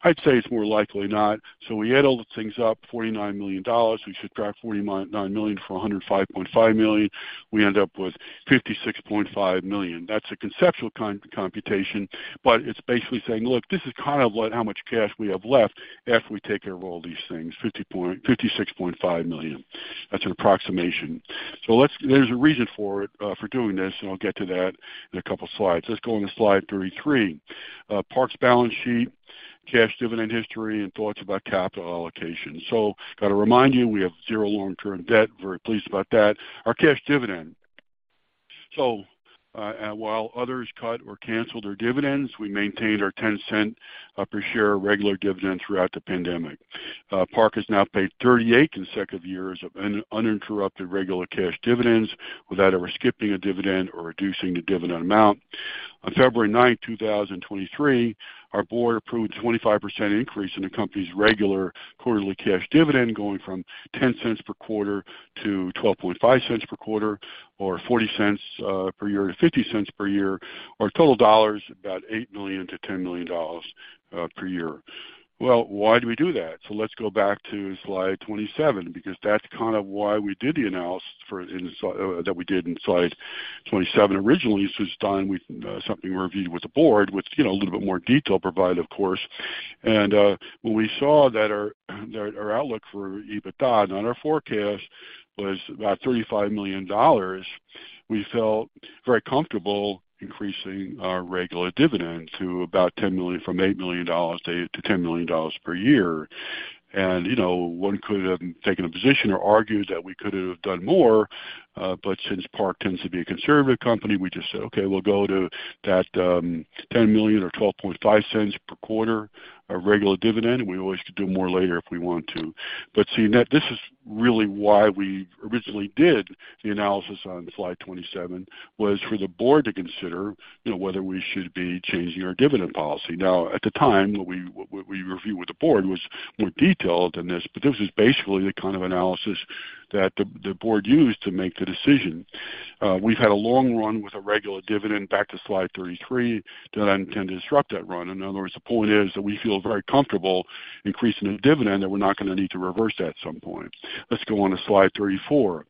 I'd say it's more likely not. We add all the things up, $49 million. We subtract $9 million from $105.5 million. We end up with $56.5 million. That's a conceptual computation, but it's basically saying, look, this is kind of like how much cash we have left after we take care of all these things, $56.5 million. That's an approximation. There's a reason for doing this, and I'll get to that in a couple slides. Let's go on to slide 33. Park's balance sheet, cash dividend history, and thoughts about capital allocation. Gotta remind you, we have 0 long-term debt. Very pleased about that. Our cash dividend. While others cut or canceled their dividends, we maintained our $0.10 per share regular dividend throughout the pandemic. Park has now paid 38 consecutive years of uninterrupted regular cash dividends without ever skipping a dividend or reducing the dividend amount. On February 9, 2023, our board approved a 25% increase in the company's regular quarterly cash dividend, going from $0.10 per quarter to $0.125 per quarter, or $0.40 per year to $0.50 per year, or total dollars, about $8 million-$10 million per year. Why do we do that? Let's go back to slide 27, because that's kind of why we did the analysis for... that we did in slide 27 originally. This was done with something we reviewed with the board, which, you know, a little bit more detail provided, of course. When we saw that our outlook for EBITDA on our forecast was about $35 million, we felt very comfortable increasing our regular dividend from $8 million to $10 million per year. You know, one could have taken a position or argued that we could have done more, but since Park tends to be a conservative company, we just said, okay, we'll go to that, $10 million or $0.125 per quarter of regular dividend. We always could do more later if we want to. Seeing that this is really why we originally did the analysis on slide 27, was for the board to consider, you know, whether we should be changing our dividend policy. At the time, what we reviewed with the board was more detailed than this, but this is basically the kind of analysis that the board used to make the decision. We've had a long run with a regular dividend back to slide 33. Did not intend to disrupt that run. In other words, the point is that we feel very comfortable increasing the dividend, that we're not gonna need to reverse that at some point. Let's go on to slide 34.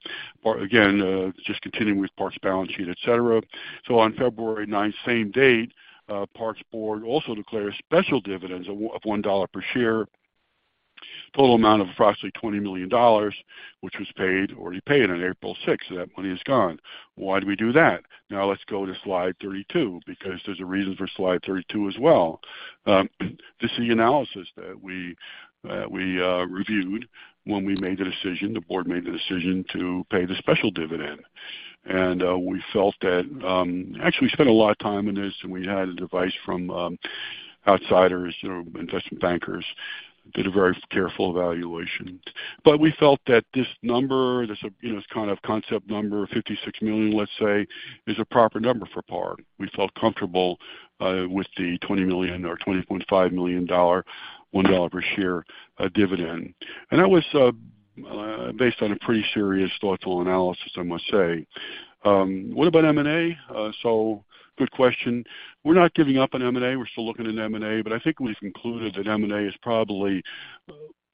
Again, just continuing with Park's balance sheet, et cetera. On February ninth, same date, Park's board also declared a special dividend of $1 per share, total amount of approximately $20 million, which was already paid on April 6th. That money is gone. Why do we do that? Let's go to slide 32, because there's a reason for slide 32 as well. This is the analysis that we reviewed when we made the decision. The board made the decision to pay the special dividend. We felt that actually spent a lot of time on this, and we had advice from outsiders, you know, investment bankers, did a very careful evaluation. We felt that this number, this, you know, this kind of concept number, $56 million, let's say, is a proper number for Park. We felt comfortable with the $20 million or $20.5 million, $1 per share dividend. That was based on a pretty serious, thoughtful analysis, I must say. What about M&A? Good question. We're not giving up on M&A. We're still looking at M&A, but I think we've concluded that M&A is probably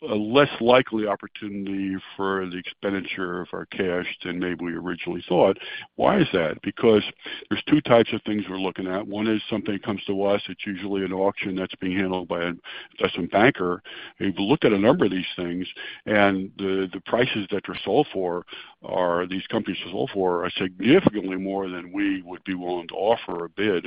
a less likely opportunity for the expenditure of our cash than maybe we originally thought. Why is that? There's 2 types of things we're looking at. One is something comes to us. It's usually an auction that's being handled by an investment banker. We've looked at a number of these things, the prices that they're sold for, these companies sold for, are significantly more than we would be willing to offer or bid.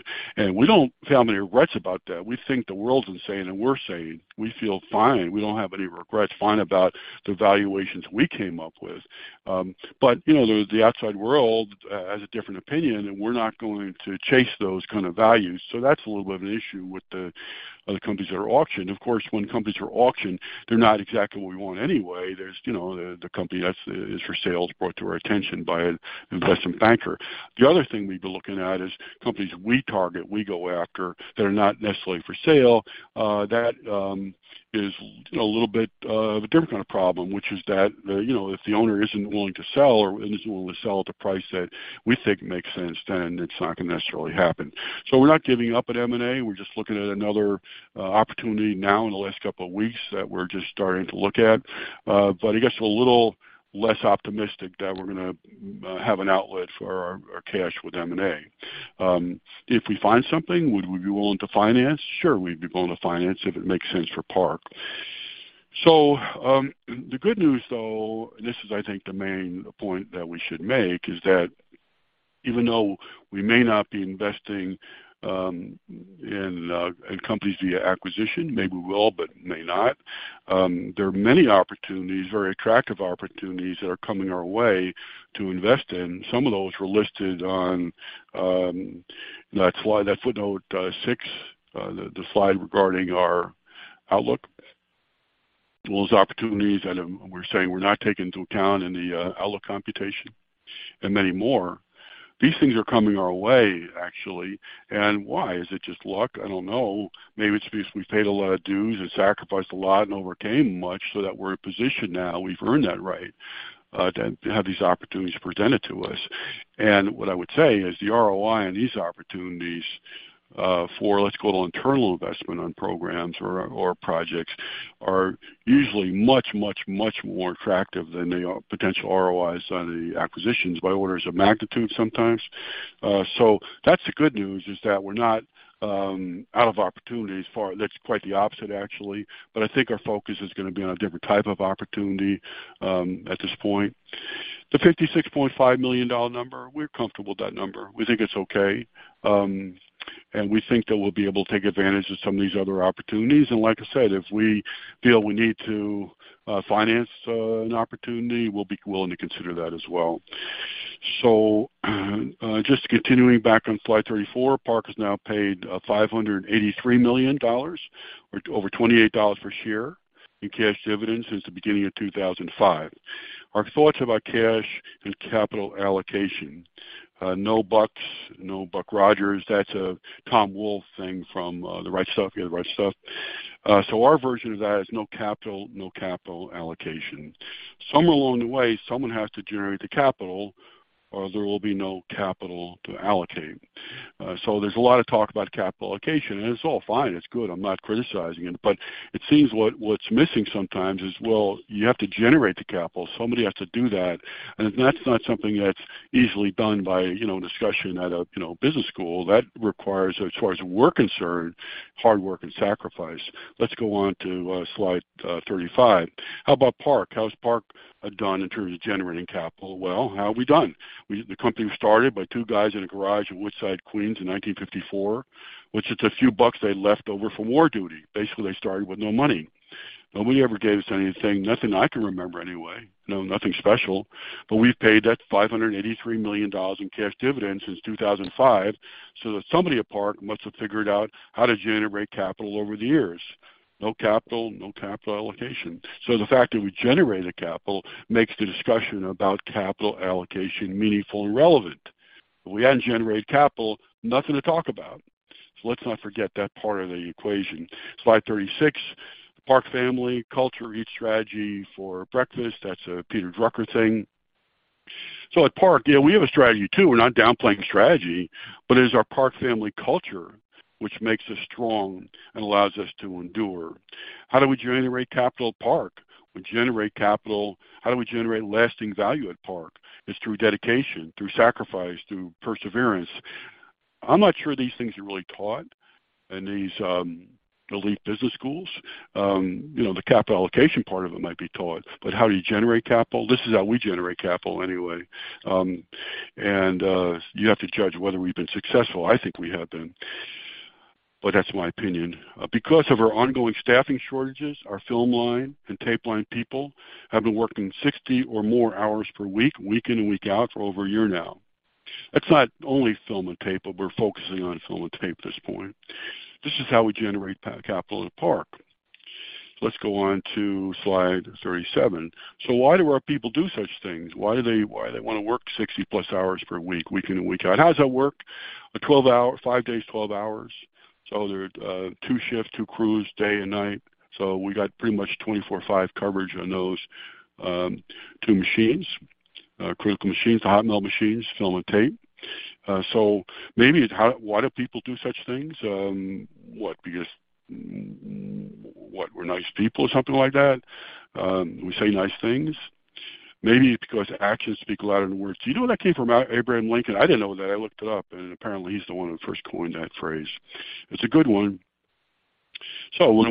We don't have any regrets about that. We think the world's insane, and we're sane. We feel fine. We don't have any regrets, fine about the valuations we came up with. You know, the outside world has a different opinion, and we're not going to chase those kind of values. That's a little bit of an issue with the companies that are auctioned. Of course, when companies are auctioned, they're not exactly what we want anyway. There's, you know, the company that's is for sale is brought to our attention by an investment banker. The other thing we've been looking at is companies we target, we go after, that are not necessarily for sale. That is, you know, a little bit of a different kind of problem, which is that, you know, if the owner isn't willing to sell or isn't willing to sell at the price that we think makes sense, then it's not gonna necessarily happen. We're not giving up at M&A. We're just looking at another opportunity now in the last couple of weeks that we're just starting to look at. I guess a little less optimistic that we're gonna have an outlet for our cash with M&A. If we find something, would we be willing to finance? Sure, we'd be willing to finance if it makes sense for Park. The good news, though, and this is I think the main point that we should make, is that even though we may not be investing, in companies via acquisition, maybe we will, but may not, there are many opportunities, very attractive opportunities that are coming our way to invest in. Some of those were listed on, that slide, that footnote, 6, the slide regarding our outlook. Those opportunities that we're saying we're not taking into account in the outlook computation and many more. These things are coming our way, actually. Why? Is it just luck? I don't know. Maybe it's because we've paid a lot of dues and sacrificed a lot and overcame much so that we're in a position now, we've earned that right, to have these opportunities presented to us. What I would say is the ROI on these opportunities, for let's call it internal investment on programs or projects, are usually much, much, much more attractive than the potential ROIs on the acquisitions by orders of magnitude sometimes. That's the good news, is that we're not out of opportunities. That's quite the opposite, actually. I think our focus is gonna be on a different type of opportunity at this point. The $56.5 million number, we're comfortable with that number. We think it's okay, and we think that we'll be able to take advantage of some of these other opportunities. Like I said, if we feel we need to finance an opportunity, we'll be willing to consider that as well. Just continuing back on slide 34, Park has now paid $583 million or over $28 per share in cash dividends since the beginning of 2005. Our thoughts about cash and capital allocation. No bucks, no Buck Rogers. That's a Tom Wolfe thing from The Right Stuff. You have the right stuff. Our version of that is no capital, no capital allocation. Somewhere along the way, someone has to generate the capital or there will be no capital to allocate. There's a lot of talk about capital allocation, and it's all fine. It's good. I'm not criticizing it. It seems what's missing sometimes is, well, you have to generate the capital. Somebody has to do that. That's not something that's easily done by, you know, discussion at a, you know, business school. That requires, as far as we're concerned, hard work and sacrifice. Let's go on to slide 35. How about Park? How's Park done in terms of generating capital? Well, how have we done? The company was started by 2 guys in a garage in Woodside, Queens in 1954, with just a few bucks they had left over from war duty. Basically, they started with no money. Nobody ever gave us anything. Nothing I can remember anyway. No, nothing special. We've paid that $583 million in cash dividends since 2005, so that somebody at Park must have figured out how to generate capital over the years. No capital, no capital allocation. The fact that we generated capital makes the discussion about capital allocation meaningful and relevant. If we hadn't generated capital, nothing to talk about. Let's not forget that part of the equation. Slide 36. Park family culture eats strategy for breakfast. That's a Peter Drucker thing. At Park, yeah, we have a strategy too. We're not downplaying strategy, but it is our Park family culture which makes us strong and allows us to endure. How do we generate capital at Park? How do we generate lasting value at Park? It's through dedication, through sacrifice, through perseverance. I'm not sure these things are really taught in these elite business schools. You know, the capital allocation part of it might be taught, but how do you generate capital? This is how we generate capital anyway, and you have to judge whether we've been successful. I think we have been, but that's my opinion. Because of our ongoing staffing shortages, our film line and tape line people have been working 60 or more hours per week in and week out, for over a year now. That's not only film and tape, but we're focusing on film and tape at this point. This is how we generate capital at Park. Let's go on to slide 37. Why do our people do such things? Why do they wanna work 60-plus hours per week in and week out? How does that work? 5 days, 12 hours. There are 2 shifts, 2 crews, day and night. We got pretty much 24/5 coverage on those 2 machines, critical machines, the hot metal machines, film and tape. Maybe it's why do people do such things? What, because, what, we're nice people or something like that? We say nice things. Maybe it's because actions speak louder than words. Do you know where that came from? Abraham Lincoln. I didn't know that. I looked it up, and apparently he's the one who first coined that phrase. It's a good one. When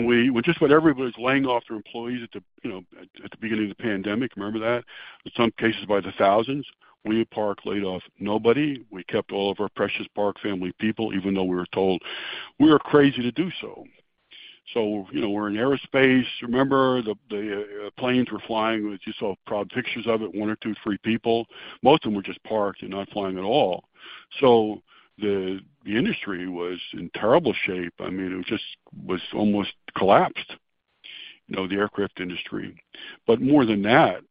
everybody was laying off their employees at the, you know, at the beginning of the pandemic, remember that? In some cases by the thousands. We at Park laid off nobody. We kept all of our precious Park family people, even though we were told we were crazy to do so. You know, we're in aerospace. Remember the planes were flying. We just saw pictures of it, 1 or 2, 3 people. Most of them were just parked and not flying at all. The industry was in terrible shape. I mean, it just was almost collapsed, you know, the aircraft industry. More than that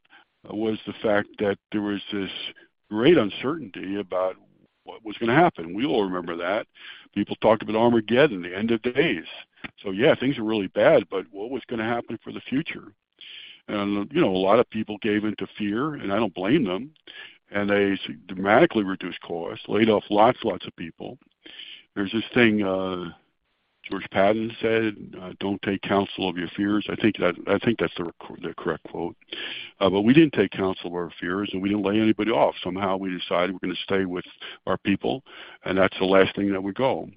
was the fact that there was this great uncertainty about what was gonna happen. We all remember that. People talked about Armageddon, the end of days. Yeah, things were really bad, but what was gonna happen for the future? You know, a lot of people gave into fear, and I don't blame them. They dramatically reduced costs, laid off lots and lots of people. There's this thing, George Patton said, "Don't take counsel of your fears." I think that, I think that's the correct quote. We didn't take counsel of our fears, and we didn't lay anybody off. Somehow we decided we're gonna stay with our people, and that's the last thing that would go.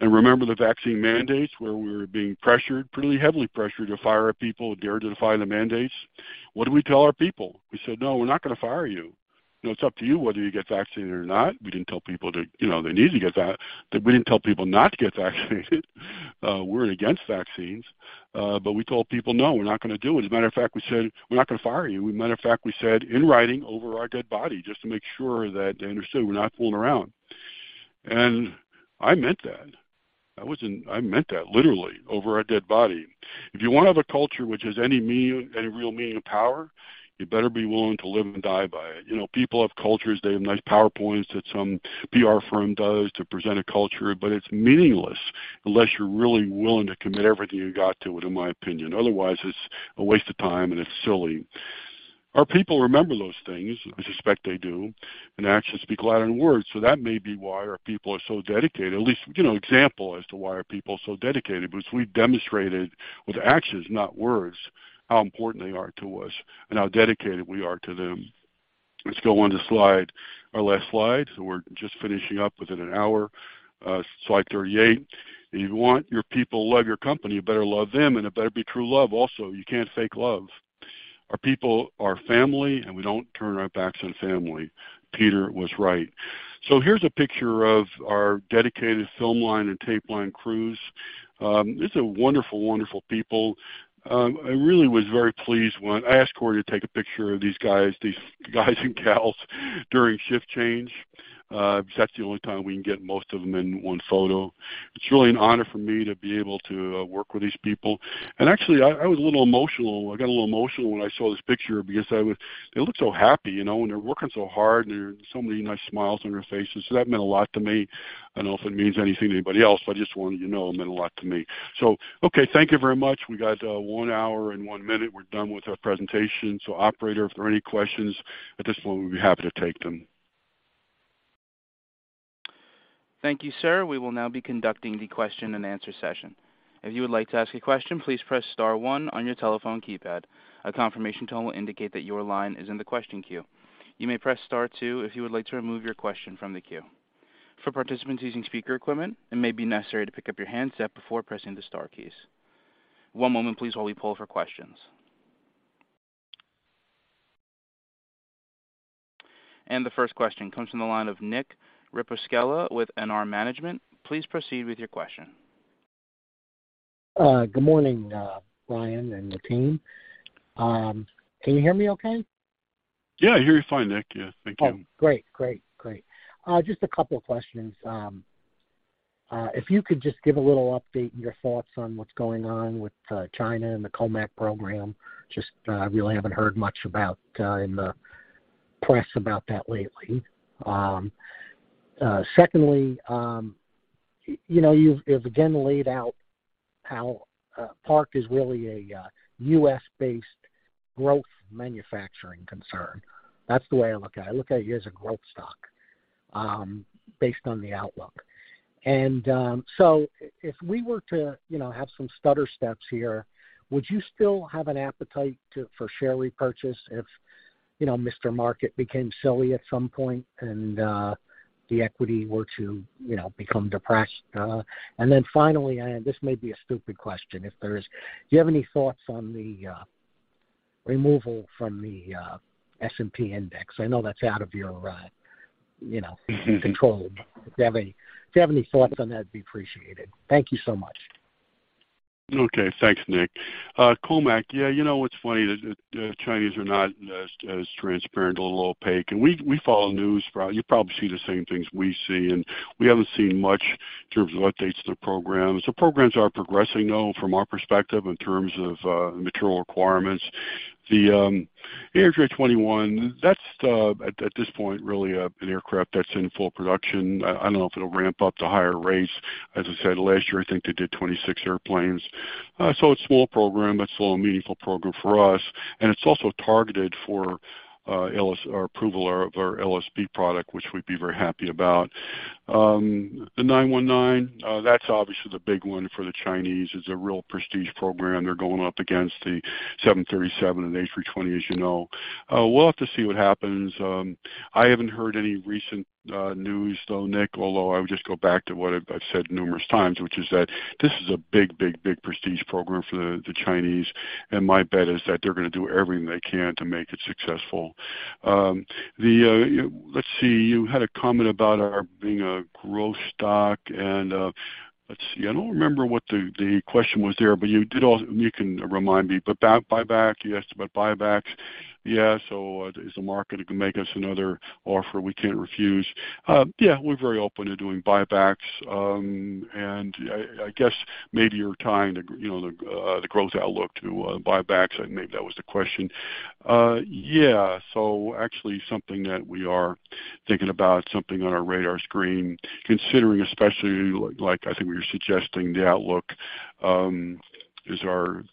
Remember the vaccine mandates where we were being pressured, pretty heavily pressured, to fire our people who dared to defy the mandates? What did we tell our people? We said, "No, we're not gonna fire you. You know, it's up to you whether you get vaccinated or not." We didn't tell people not to get vaccinated. We're against vaccines. We told people, "No, we're not gonna do it." As a matter of fact, we said, "We're not gonna fire you." Matter of fact, we said in writing, "Over our dead body," just to make sure that they understood we're not fooling around. I meant that. I meant that literally, over our dead body. If you wanna have a culture which has any real meaning and power, you better be willing to live and die by it. You know, people have cultures. They have nice PowerPoints that some PR firm does to present a culture, it's meaningless unless you're really willing to commit everything you got to it, in my opinion. Otherwise, it's a waste of time, it's silly. Our people remember those things. I suspect they do. Actions speak louder than words. That may be why our people are so dedicated. At least, you know, example as to why our people are so dedicated, because we've demonstrated with actions, not words, how important they are to us and how dedicated we are to them. Let's go on to slide. Our last slide, we're just finishing up within an hour. Slide 38. If you want your people to love your company, you better love them, and it better be true love also. You can't fake love. Our people are family, and we don't turn our backs on family. Peter was right. Here's a picture of our dedicated film line and tape line crews. These are wonderful people. I really was very pleased when I asked Corey to take a picture of these guys and gals during shift change, because that's the only time we can get most of them in one photo. It's really an honor for me to be able to work with these people. Actually, I was a little emotional. I got a little emotional when I saw this picture because they looked so happy, you know, and they're working so hard, and there are so many nice smiles on their faces. That meant a lot to me. I don't know if it means anything to anybody else, but I just wanted you to know it meant a lot to me. Okay, thank you very much. We got 1 hour and 1 minute. We're done with our presentation. Operator, if there are any questions at this point, we'd be happy to take them. Thank you, sir. We will now be conducting the Q&A session. If you would like to ask a question, please press star 1 on your telephone keypad. A confirmation tone will indicate that your line is in the question queue. You may press star 2 if you would like to remove your question from the queue. For participants using speaker equipment, it may be necessary to pick up your handset before pressing the star keys. One moment please while we pull for questions. The first question comes from the line of Nick Ripostella with NR Management. Please proceed with your question. Good morning, Brian and the team. Can you hear me okay? Yeah, I hear you fine, Nick. Yeah. Thank you. Great. A couple of questions. If you could just give a little update on your thoughts on what's going on with China and the COMAC program. Really haven't heard much about in the press about that lately. Secondly, you know, you've again laid out how Park is really a U.S.-based growth manufacturing concern. That's the way I look at it. I look at you as a growth stock, based on the outlook. If we were to, you know, have some stutter steps here, would you still have an appetite for share repurchase if, you know, Mr. Market became silly at some point, the equity were to, you know, become depressed? Finally, this may be a stupid question, if there is. Do you have any thoughts on the removal from the S&P index? I know that's out of your, you know, control. If you have any thoughts on that, it'd be appreciated. Thank you so much. Okay. Thanks, Nick. COMAC. You know, it's funny that the Chinese are not as transparent, a little opaque. We follow news. You probably see the same things we see, and we haven't seen much in terms of updates to their programs. The programs are progressing, though, from our perspective, in terms of material requirements. The ARJ21, that's at this point, really, an aircraft that's in full production. I don't know if it'll ramp up to higher rates. As I said last year, I think they did 26 airplanes. So it's a small program. It's a little meaningful program for us, and it's also targeted for approval of our LSB product, which we'd be very happy about. The C919, that's obviously the big one for the Chinese. It's a real prestige program. They're going up against the 737 and A320, as you know. We'll have to see what happens. I haven't heard any recent news, though, Nick, although I would just go back to what I've said numerous times, which is that this is a big, big, big prestige program for the Chinese, and my bet is that they're gonna do everything they can to make it successful. Let's see. You had a comment about our being a growth stock. Let's see. I don't remember what the question was there, but you can remind me, but buyback. You asked about buybacks. Yeah. If the market can make us another offer we can't refuse. Yeah, we're very open to doing buybacks. I guess maybe you're tying the, you know, the growth outlook to buybacks, and maybe that was the question. Yeah. Actually, something that we are thinking about, something on our radar screen, considering, especially like, I think we were suggesting the outlook, is our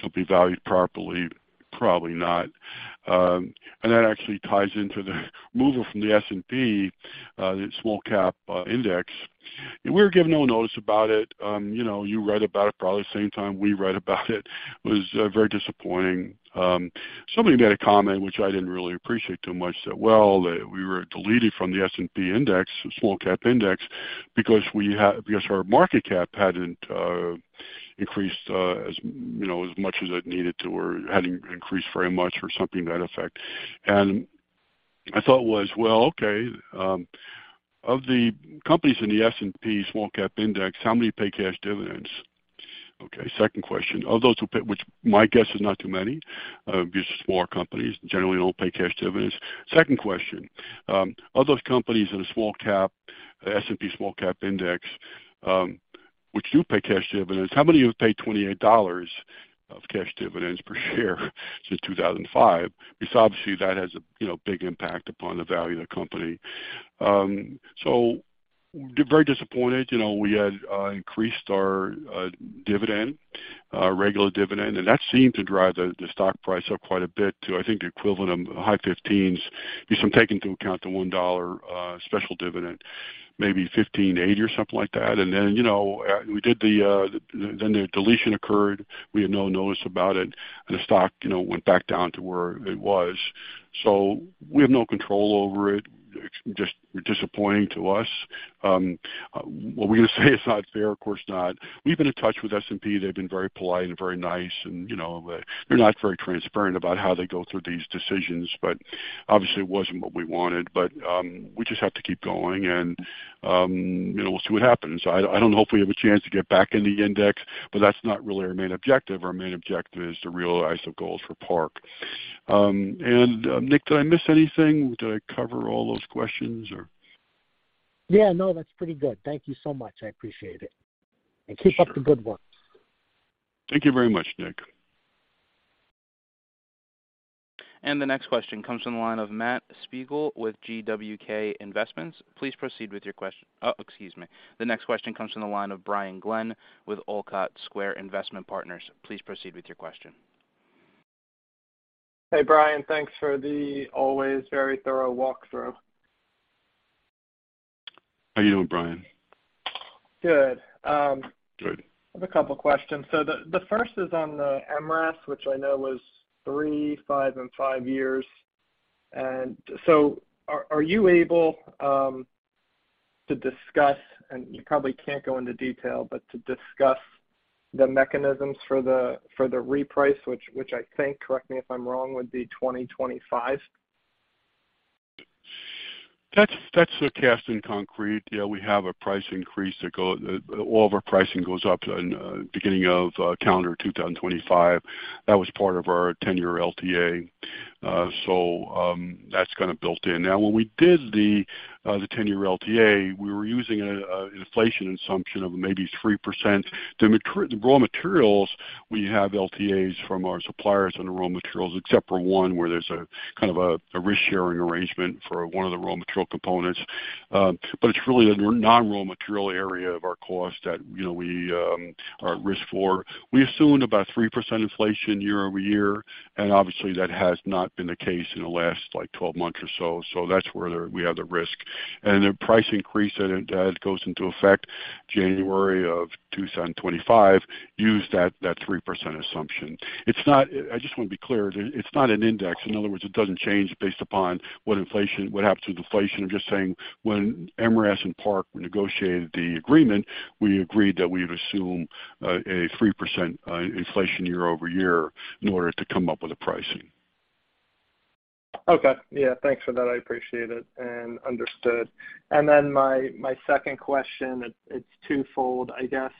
company valued properly? Probably not. That actually ties into the removal from the S&P, the small cap index. We were given no notice about it. You know, you read about it probably the same time we read about it. Was very disappointing. Somebody made a comment which I didn't really appreciate too much, that we were deleted from the S&P small cap index, because our market cap hadn't increased as much as it needed to or hadn't increased very much or something to that effect. My thought was, well, okay, of the companies in the S&P small cap index, how many pay cash dividends? Okay, second question. Of those who pay, which my guess is not too many, because smaller companies generally don't pay cash dividends. Second question. Of those companies in a small cap, S&P small cap index, which do pay cash dividends, how many have paid $28 of cash dividends per share since 2005? Obviously, that has a big impact upon the value of the company. Very disappointed. You know, we had increased our dividend, our regular dividend, that seemed to drive the stock price up quite a bit to, I think, the equivalent of high fifteens. If you take into account the $1 special dividend, maybe $15.80 or something like that. You know, the deletion occurred. We had no notice about it. The stock, you know, went back down to where it was. We have no control over it. It's just disappointing to us. What we're going to say, it's not fair, of course not. We've been in touch with S&P. They've been very polite and very nice, you know, they're not very transparent about how they go through these decisions, obviously it wasn't what we wanted. We just have to keep going and, you know, we'll see what happens. I don't know if we have a chance to get back in the index, but that's not really our main objective. Our main objective is to realize the goals for Park. Nick, did I miss anything? Did I cover all those questions or? No, that's pretty good. Thank you so much. I appreciate it. Sure. Keep up the good work. Thank you very much, Nick. The next question comes from the line of Matt Spiegel with GWK Investments. Please proceed with your question. Oh, excuse me. The next question comes from the line of Brian Glenn with Olcott Square Investment Partners. Please proceed with your question. Hey, Brian. Thanks for the always very thorough walkthrough. How you doing, Brian? Good. Good. I have a couple questions. The first is on the MRAS, which I know was 3, 5, and 5 years. Are you able to discuss, and you probably can't go into detail, but to discuss the mechanisms for the reprice, which I think, correct me if I'm wrong, would be 2025? That's the cast in concrete. We have a price increase. All of our pricing goes up in beginning of calendar 2025. That was part of our tenure LTA. That's kinda built-in. When we did the 10-year LTA, we were using an inflation assumption of maybe 3%. The raw materials, we have LTAs from our suppliers on the raw materials, except for 1 where there's a kind of a risk-sharing arrangement for 1 of the raw material components. It's really the non-raw material area of our cost that, you know, we are at risk for. We assumed about 3% inflation year-over-year, obviously that has not been the case in the last, like, 12 months or so. That's where we have the risk. The price increase that goes into effect January of 2025, used that 3% assumption. It's not. I just wanna be clear. It's not an index. In other words, it doesn't change based upon what happens with inflation. I'm just saying when MRAS and Park negotiated the agreement, we agreed that we would assume a 3% inflation year-over-year in order to come up with a pricing. Okay. Yeah, thanks for that. I appreciate it and understood. My, my second question, it's twofold. I guess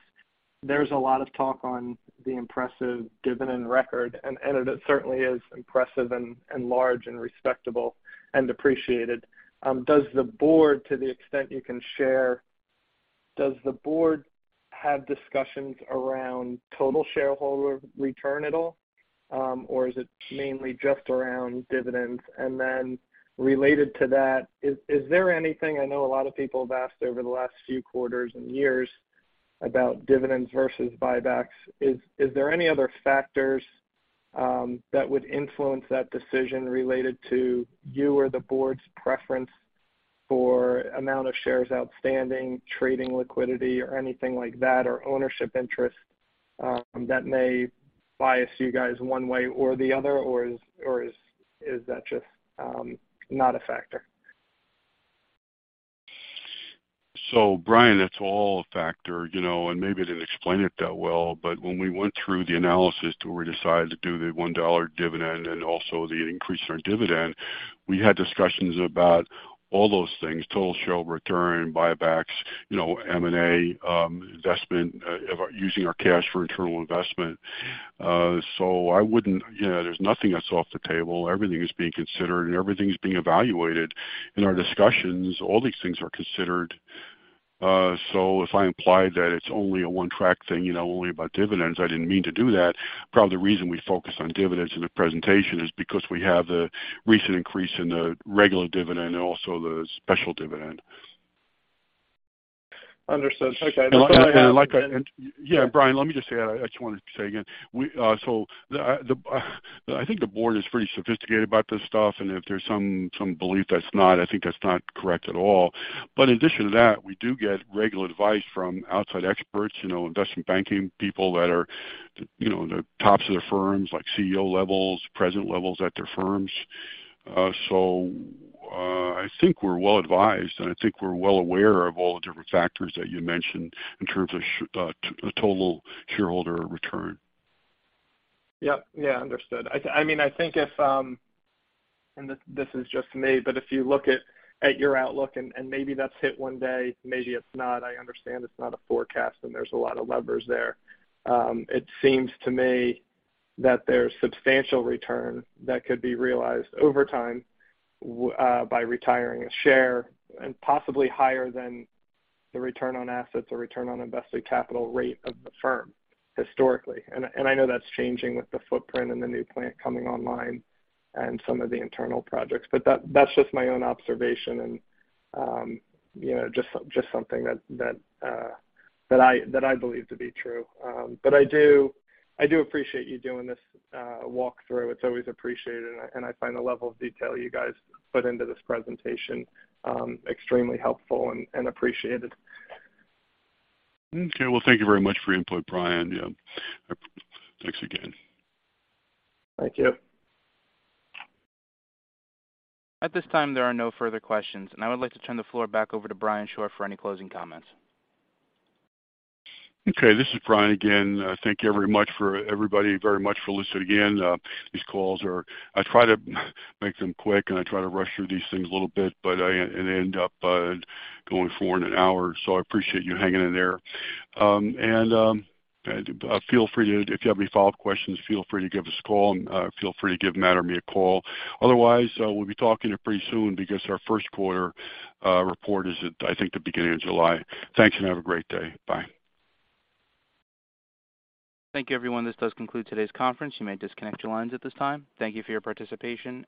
there's a lot of talk on the impressive dividend record, and it certainly is impressive and large and respectable and appreciated. Does the board, to the extent you can share, does the board have discussions around total shareholder return at all, or is it mainly just around dividends? Related to that, is there anything I know a lot of people have asked over the last few quarters and years about dividends versus buybacks. Is there any other factors that would influence that decision related to you or the board's preference for amount of shares outstanding, trading liquidity or anything like that, or ownership interest, that may bias you guys one way or the other, or is that just not a factor? Brian, it's all a factor, you know. Maybe I didn't explain it that well, when we went through the analysis to where we decided to do the $1 dividend and also the increase in our dividend, we had discussions about all those things: total share return, buybacks, you know, M&A, investment, using our cash for internal investment. You know, there's nothing that's off the table. Everything is being considered, everything's being evaluated. In our discussions, all these things are considered. If I implied that it's only a one-track thing, you know, only about dividends, I didn't mean to do that. Probably the reason we focused on dividends in the presentation is because we have the recent increase in the regular dividend and also the special dividend. Understood. Okay. I. Go ahead. Yeah, Brian, let me just say, I just wanted to say again, I think the board is pretty sophisticated about this stuff. If there's some belief that's not, I think that's not correct at all. In addition to that, we do get regular advice from outside experts, you know, investment banking people that are, you know, the tops of their firms, like CEO levels, president levels at their firms. I think we're well advised, and I think we're well aware of all the different factors that you mentioned in terms of total shareholder return. Yep. Yeah. Understood. I mean, I think if this is just me, but if you look at your outlook and maybe that's hit one day, maybe it's not, I understand it's not a forecast and there's a lot of levers there. It seems to me that there's substantial return that could be realized over time by retiring a share and possibly higher than the return on assets or return on invested capital rate of the firm historically. I know that's changing with the footprint and the new plant coming online and some of the internal projects. That's just my own observation and, you know, just something that I believe to be true. I do appreciate you doing this walkthrough. It's always appreciated, and I find the level of detail you guys put into this presentation, extremely helpful and appreciated. Okay. Well, thank you very much for your input, Brian. Yeah. Thanks again. Thank you. At this time, there are no further questions, and I would like to turn the floor back over to Brian Shore for any closing comments. Okay, this is Brian again. Thank you very much for everybody, very much for listening again. These calls are... I try to make them quick, and I try to rush through these things a little bit, but they end up going for an hour. I appreciate you hanging in there. If you have any follow-up questions, feel free to give us a call, and feel free to give Matt or me a call. Otherwise, we'll be talking pretty soon because our Q1 report is at, I think, the beginning of July. Thanks. Have a great day. Bye. Thank you, everyone. This does conclude today's conference. You may disconnect your lines at this time. Thank you for your participation.